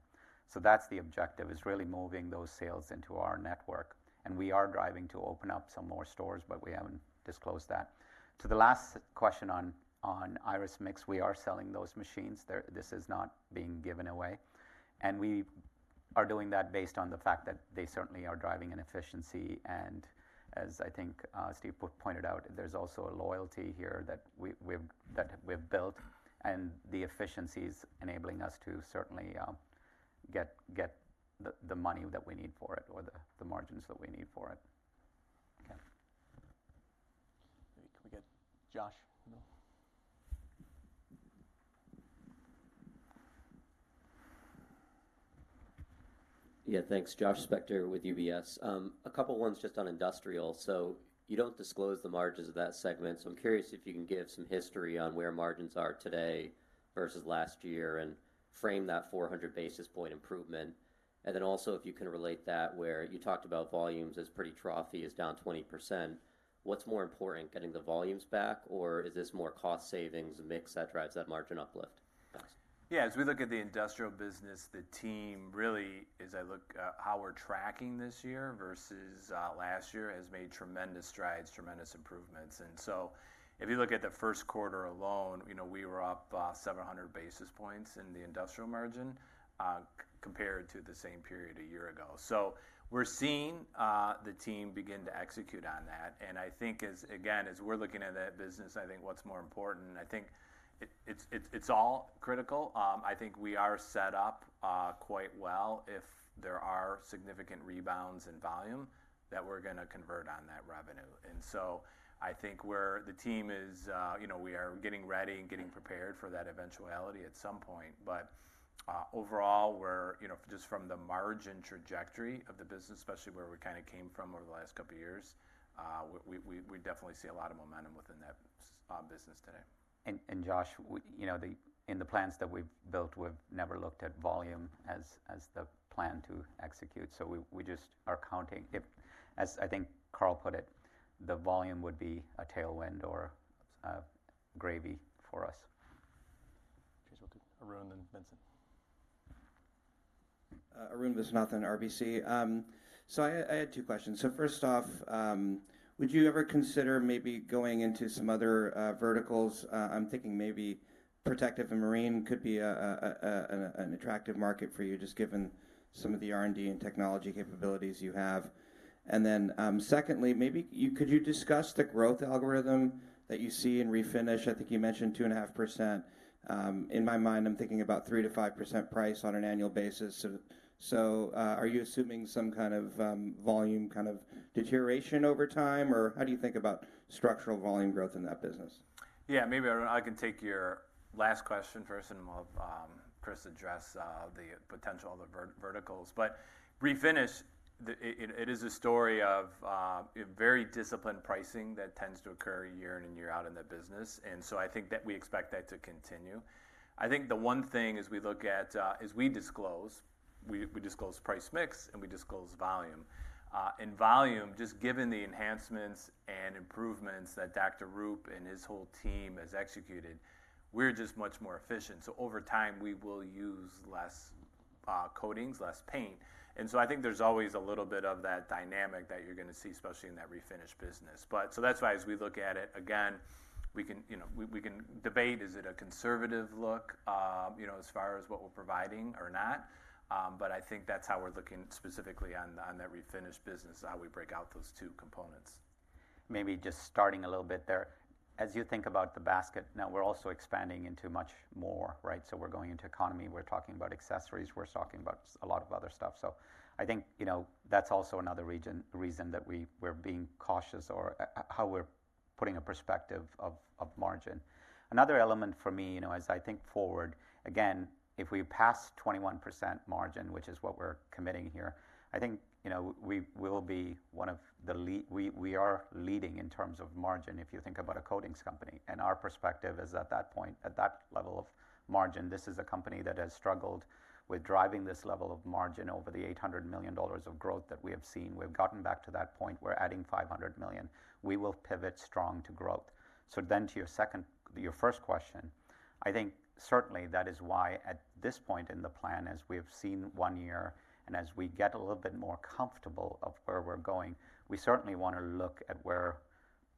So that's the objective, is really moving those sales into our network. And we are driving to open up some more stores, but we haven't disclosed that. To the last question on Irus Mix, we are selling those machines. This is not being given away. And we are doing that based on the fact that they certainly are driving an efficiency. And as I think Steve pointed out, there's also a loyalty here that we've built and the efficiency is enabling us to certainly get the money that we need for it or the margins that we need for it. Okay. Maybe we can get Josh? Yeah, thanks. Josh Spector with UBS. A couple of ones just on industrial. So you don't disclose the margins of that segment. So I'm curious if you can give some history on where margins are today versus last year and frame that 400 basis points improvement. And then also, if you can relate that where you talked about volumes as pretty tough, it's down 20%. What's more important, getting the volumes back, or is this more cost savings mix that drives that margin uplift? Yeah, as we look at the industrial business, the team really, as I look at how we're tracking this year versus last year, has made tremendous strides, tremendous improvements. And so if you look at the first quarter alone, we were up 700 basis points in the industrial margin compared to the same period a year ago. So we're seeing the team begin to execute on that. And I think, again, as we're looking at that business, I think what's more important, I think it's all critical. I think we are set up quite well if there are significant rebounds in volume that we're going to convert on that revenue. And so I think the team is we are getting ready and getting prepared for that eventuality at some point. But overall, just from the margin trajectory of the business, especially where we kind of came from over the last couple of years, we definitely see a lot of momentum within that business today. And Josh, in the plans that we've built, we've never looked at volume as the plan to execute. So we just are counting. As I think Carl put it, the volume would be a tailwind or gravy for us. Arun Viswanathan Arun Viswanathan, RBC. So I had two questions. So first off, would you ever consider maybe going into some other verticals? I'm thinking maybe Protective and Marine could be an attractive market for you just given some of the R&D and technology capabilities you have. And then secondly, maybe could you discuss the growth algorithm that you see in refinish? I think you mentioned 2.5%. In my mind, I'm thinking about 3%-5% price on an annual basis. So are you assuming some kind of volume kind of deterioration over time, or how do you think about structural volume growth in that business? Yeah, maybe Arun, I can take your last question first, and we'll have Chris address the potential of the verticals. But refinish, it is a story of very disciplined pricing that tends to occur year in and year out in the business. And so I think that we expect that to continue. I think the one thing as we look at is we disclose. We disclose price mix, and we disclose volume. In volume, just given the enhancements and improvements that Dr. Roop and his whole team has executed, we're just much more efficient. So over time, we will use less coatings, less paint. And so I think there's always a little bit of that dynamic that you're going to see, especially in that refinish business. So that's why as we look at it, again, we can debate, is it a conservative look as far as what we're providing or not? But I think that's how we're looking specifically on that refinish business, how we break out those two components. Maybe just starting a little bit there, as you think about the basket, now we're also expanding into much more, right? So we're going into economy. We're talking about accessories. We're talking about a lot of other stuff. So I think that's also another reason that we're being cautious or how we're putting a perspective of margin. Another element for me, as I think forward, again, if we pass 21% margin, which is what we're committing here, I think we will be one of the we are leading in terms of margin if you think about a coatings company. And our perspective is at that point, at that level of margin, this is a company that has struggled with driving this level of margin over the $800 million of growth that we have seen. We've gotten back to that point. We're adding $500 million. We will pivot strong to growth. So then to your first question, I think certainly that is why at this point in the plan, as we have seen one year and as we get a little bit more comfortable of where we're going, we certainly want to look at where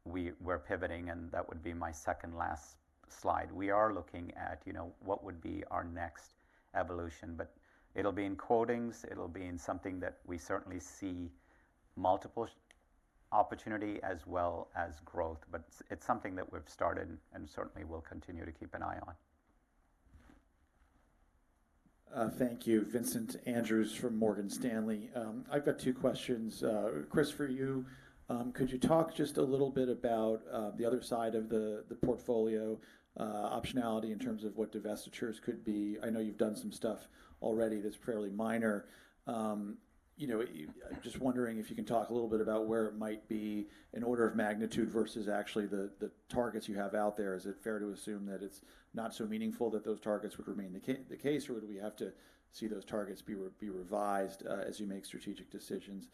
we're pivoting. And that would be my second last slide. We are looking at what would be our next evolution. But it'll be in coatings. It'll be in something that we certainly see multiple opportunity as well as growth. But it's something that we've started and certainly will continue to keep an eye on. Thank you, Vincent Andrews from Morgan Stanley. I've got two questions, Chris, for you. Could you talk just a little bit about the other side of the portfolio optionality in terms of what divestitures could be? I know you've done some stuff already that's fairly minor. Just wondering if you can talk a little bit about where it might be in order of magnitude versus actually the targets you have out there. Is it fair to assume that it's not so meaningful that those targets would remain the case, or would we have to see those targets be revised as you make strategic decisions?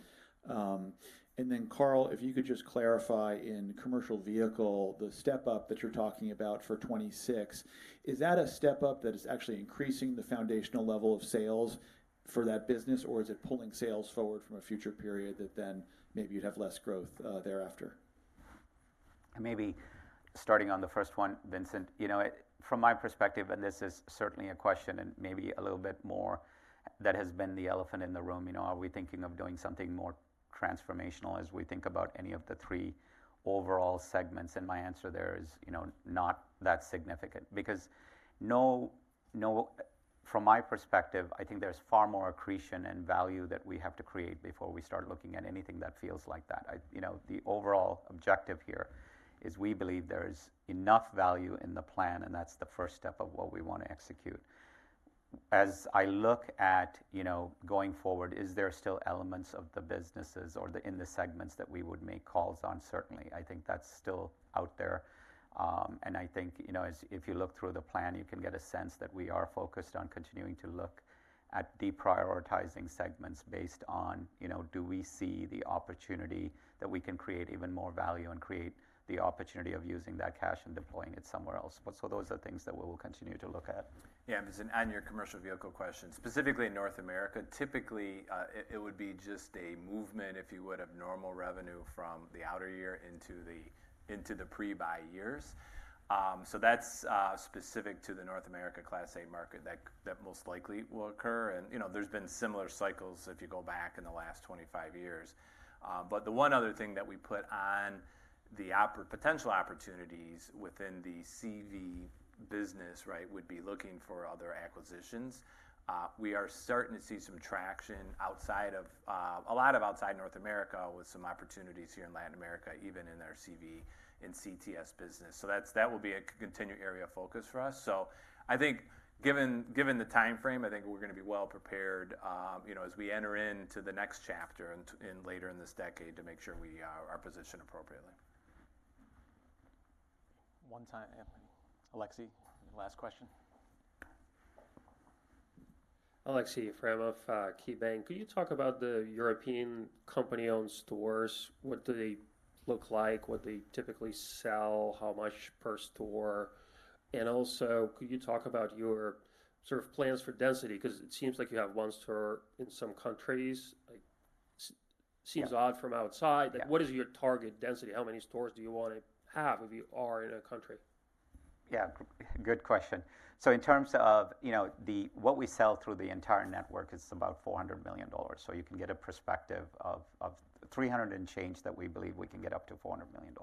Carl, if you could just clarify in commercial vehicle, the step-up that you're talking about for 2026, is that a step-up that is actually increasing the foundational level of sales for that business, or is it pulling sales forward from a future period that then maybe you'd have less growth thereafter? Maybe starting on the first one, Vincent, from my perspective, and this is certainly a question and maybe a little bit more that has been the elephant in the room, are we thinking of doing something more transformational as we think about any of the three overall segments? My answer there is not that significant because from my perspective, I think there's far more accretion and value that we have to create before we start looking at anything that feels like that. The overall objective here is we believe there's enough value in the plan, and that's the first step of what we want to execute. As I look at going forward, is there still elements of the businesses or in the segments that we would make calls on? Certainly, I think that's still out there. And I think if you look through the plan, you can get a sense that we are focused on continuing to look at deprioritizing segments based on, do we see the opportunity that we can create even more value and create the opportunity of using that cash and deploying it somewhere else? So those are things that we will continue to look at. Yeah, Vincent, on your commercial vehicle question, specifically in North America, typically, it would be just a movement, if you would, of normal revenue from the outer year into the pre-buy years. So that's specific to the North America Class 8 market that most likely will occur. And there's been similar cycles if you go back in the last 25 years. But the one other thing that we put on the potential opportunities within the CV business would be looking for other acquisitions. We are starting to see some traction outside of a lot of outside North America with some opportunities here in Latin America, even in their CV and CTS business. So that will be a continued area of focus for us. So I think given the time frame, I think we're going to be well prepared as we enter into the next chapter and later in this decade to make sure we are positioned appropriately. One time, Aleksey, last question. Aleksey Yefremov, KeyBanc, could you talk about the European company-owned stores? What do they look like? What do they typically sell? How much per store? And also, could you talk about your sort of plans for density? Because it seems like you have 1 store in some countries. Seems odd from outside. What is your target density? How many stores do you want to have if you are in a country? Yeah, good question. So in terms of what we sell through the entire network, it's about $400 million. So you can get a perspective of $300 million and change that we believe we can get up to $400 million.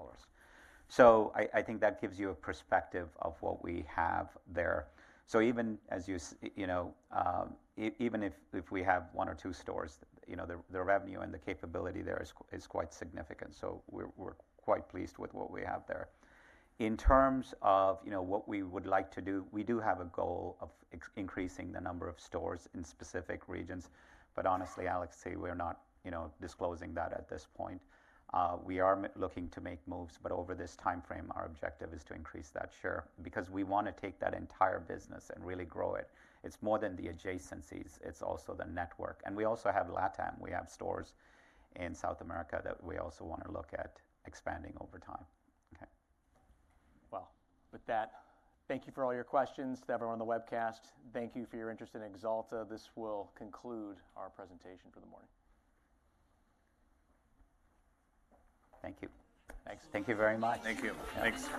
So I think that gives you a perspective of what we have there. So even as you even if we have one or two stores, the revenue and the capability there is quite significant. So we're quite pleased with what we have there. In terms of what we would like to do, we do have a goal of increasing the number of stores in specific regions. But honestly, Aleksey, we're not disclosing that at this point. We are looking to make moves, but over this time frame, our objective is to increase that, sure, because we want to take that entire business and really grow it. It's more than the adjacencies. It's also the network. And we also have LATAM. We have stores in South America that we also want to look at expanding over time. Okay. Well, with that, thank you for all your questions to everyone on the webcast. Thank you for your interest in Axalta. This will conclude our presentation for the morning. Thank you. Thanks. Thank you very much. Thank you. Thanks.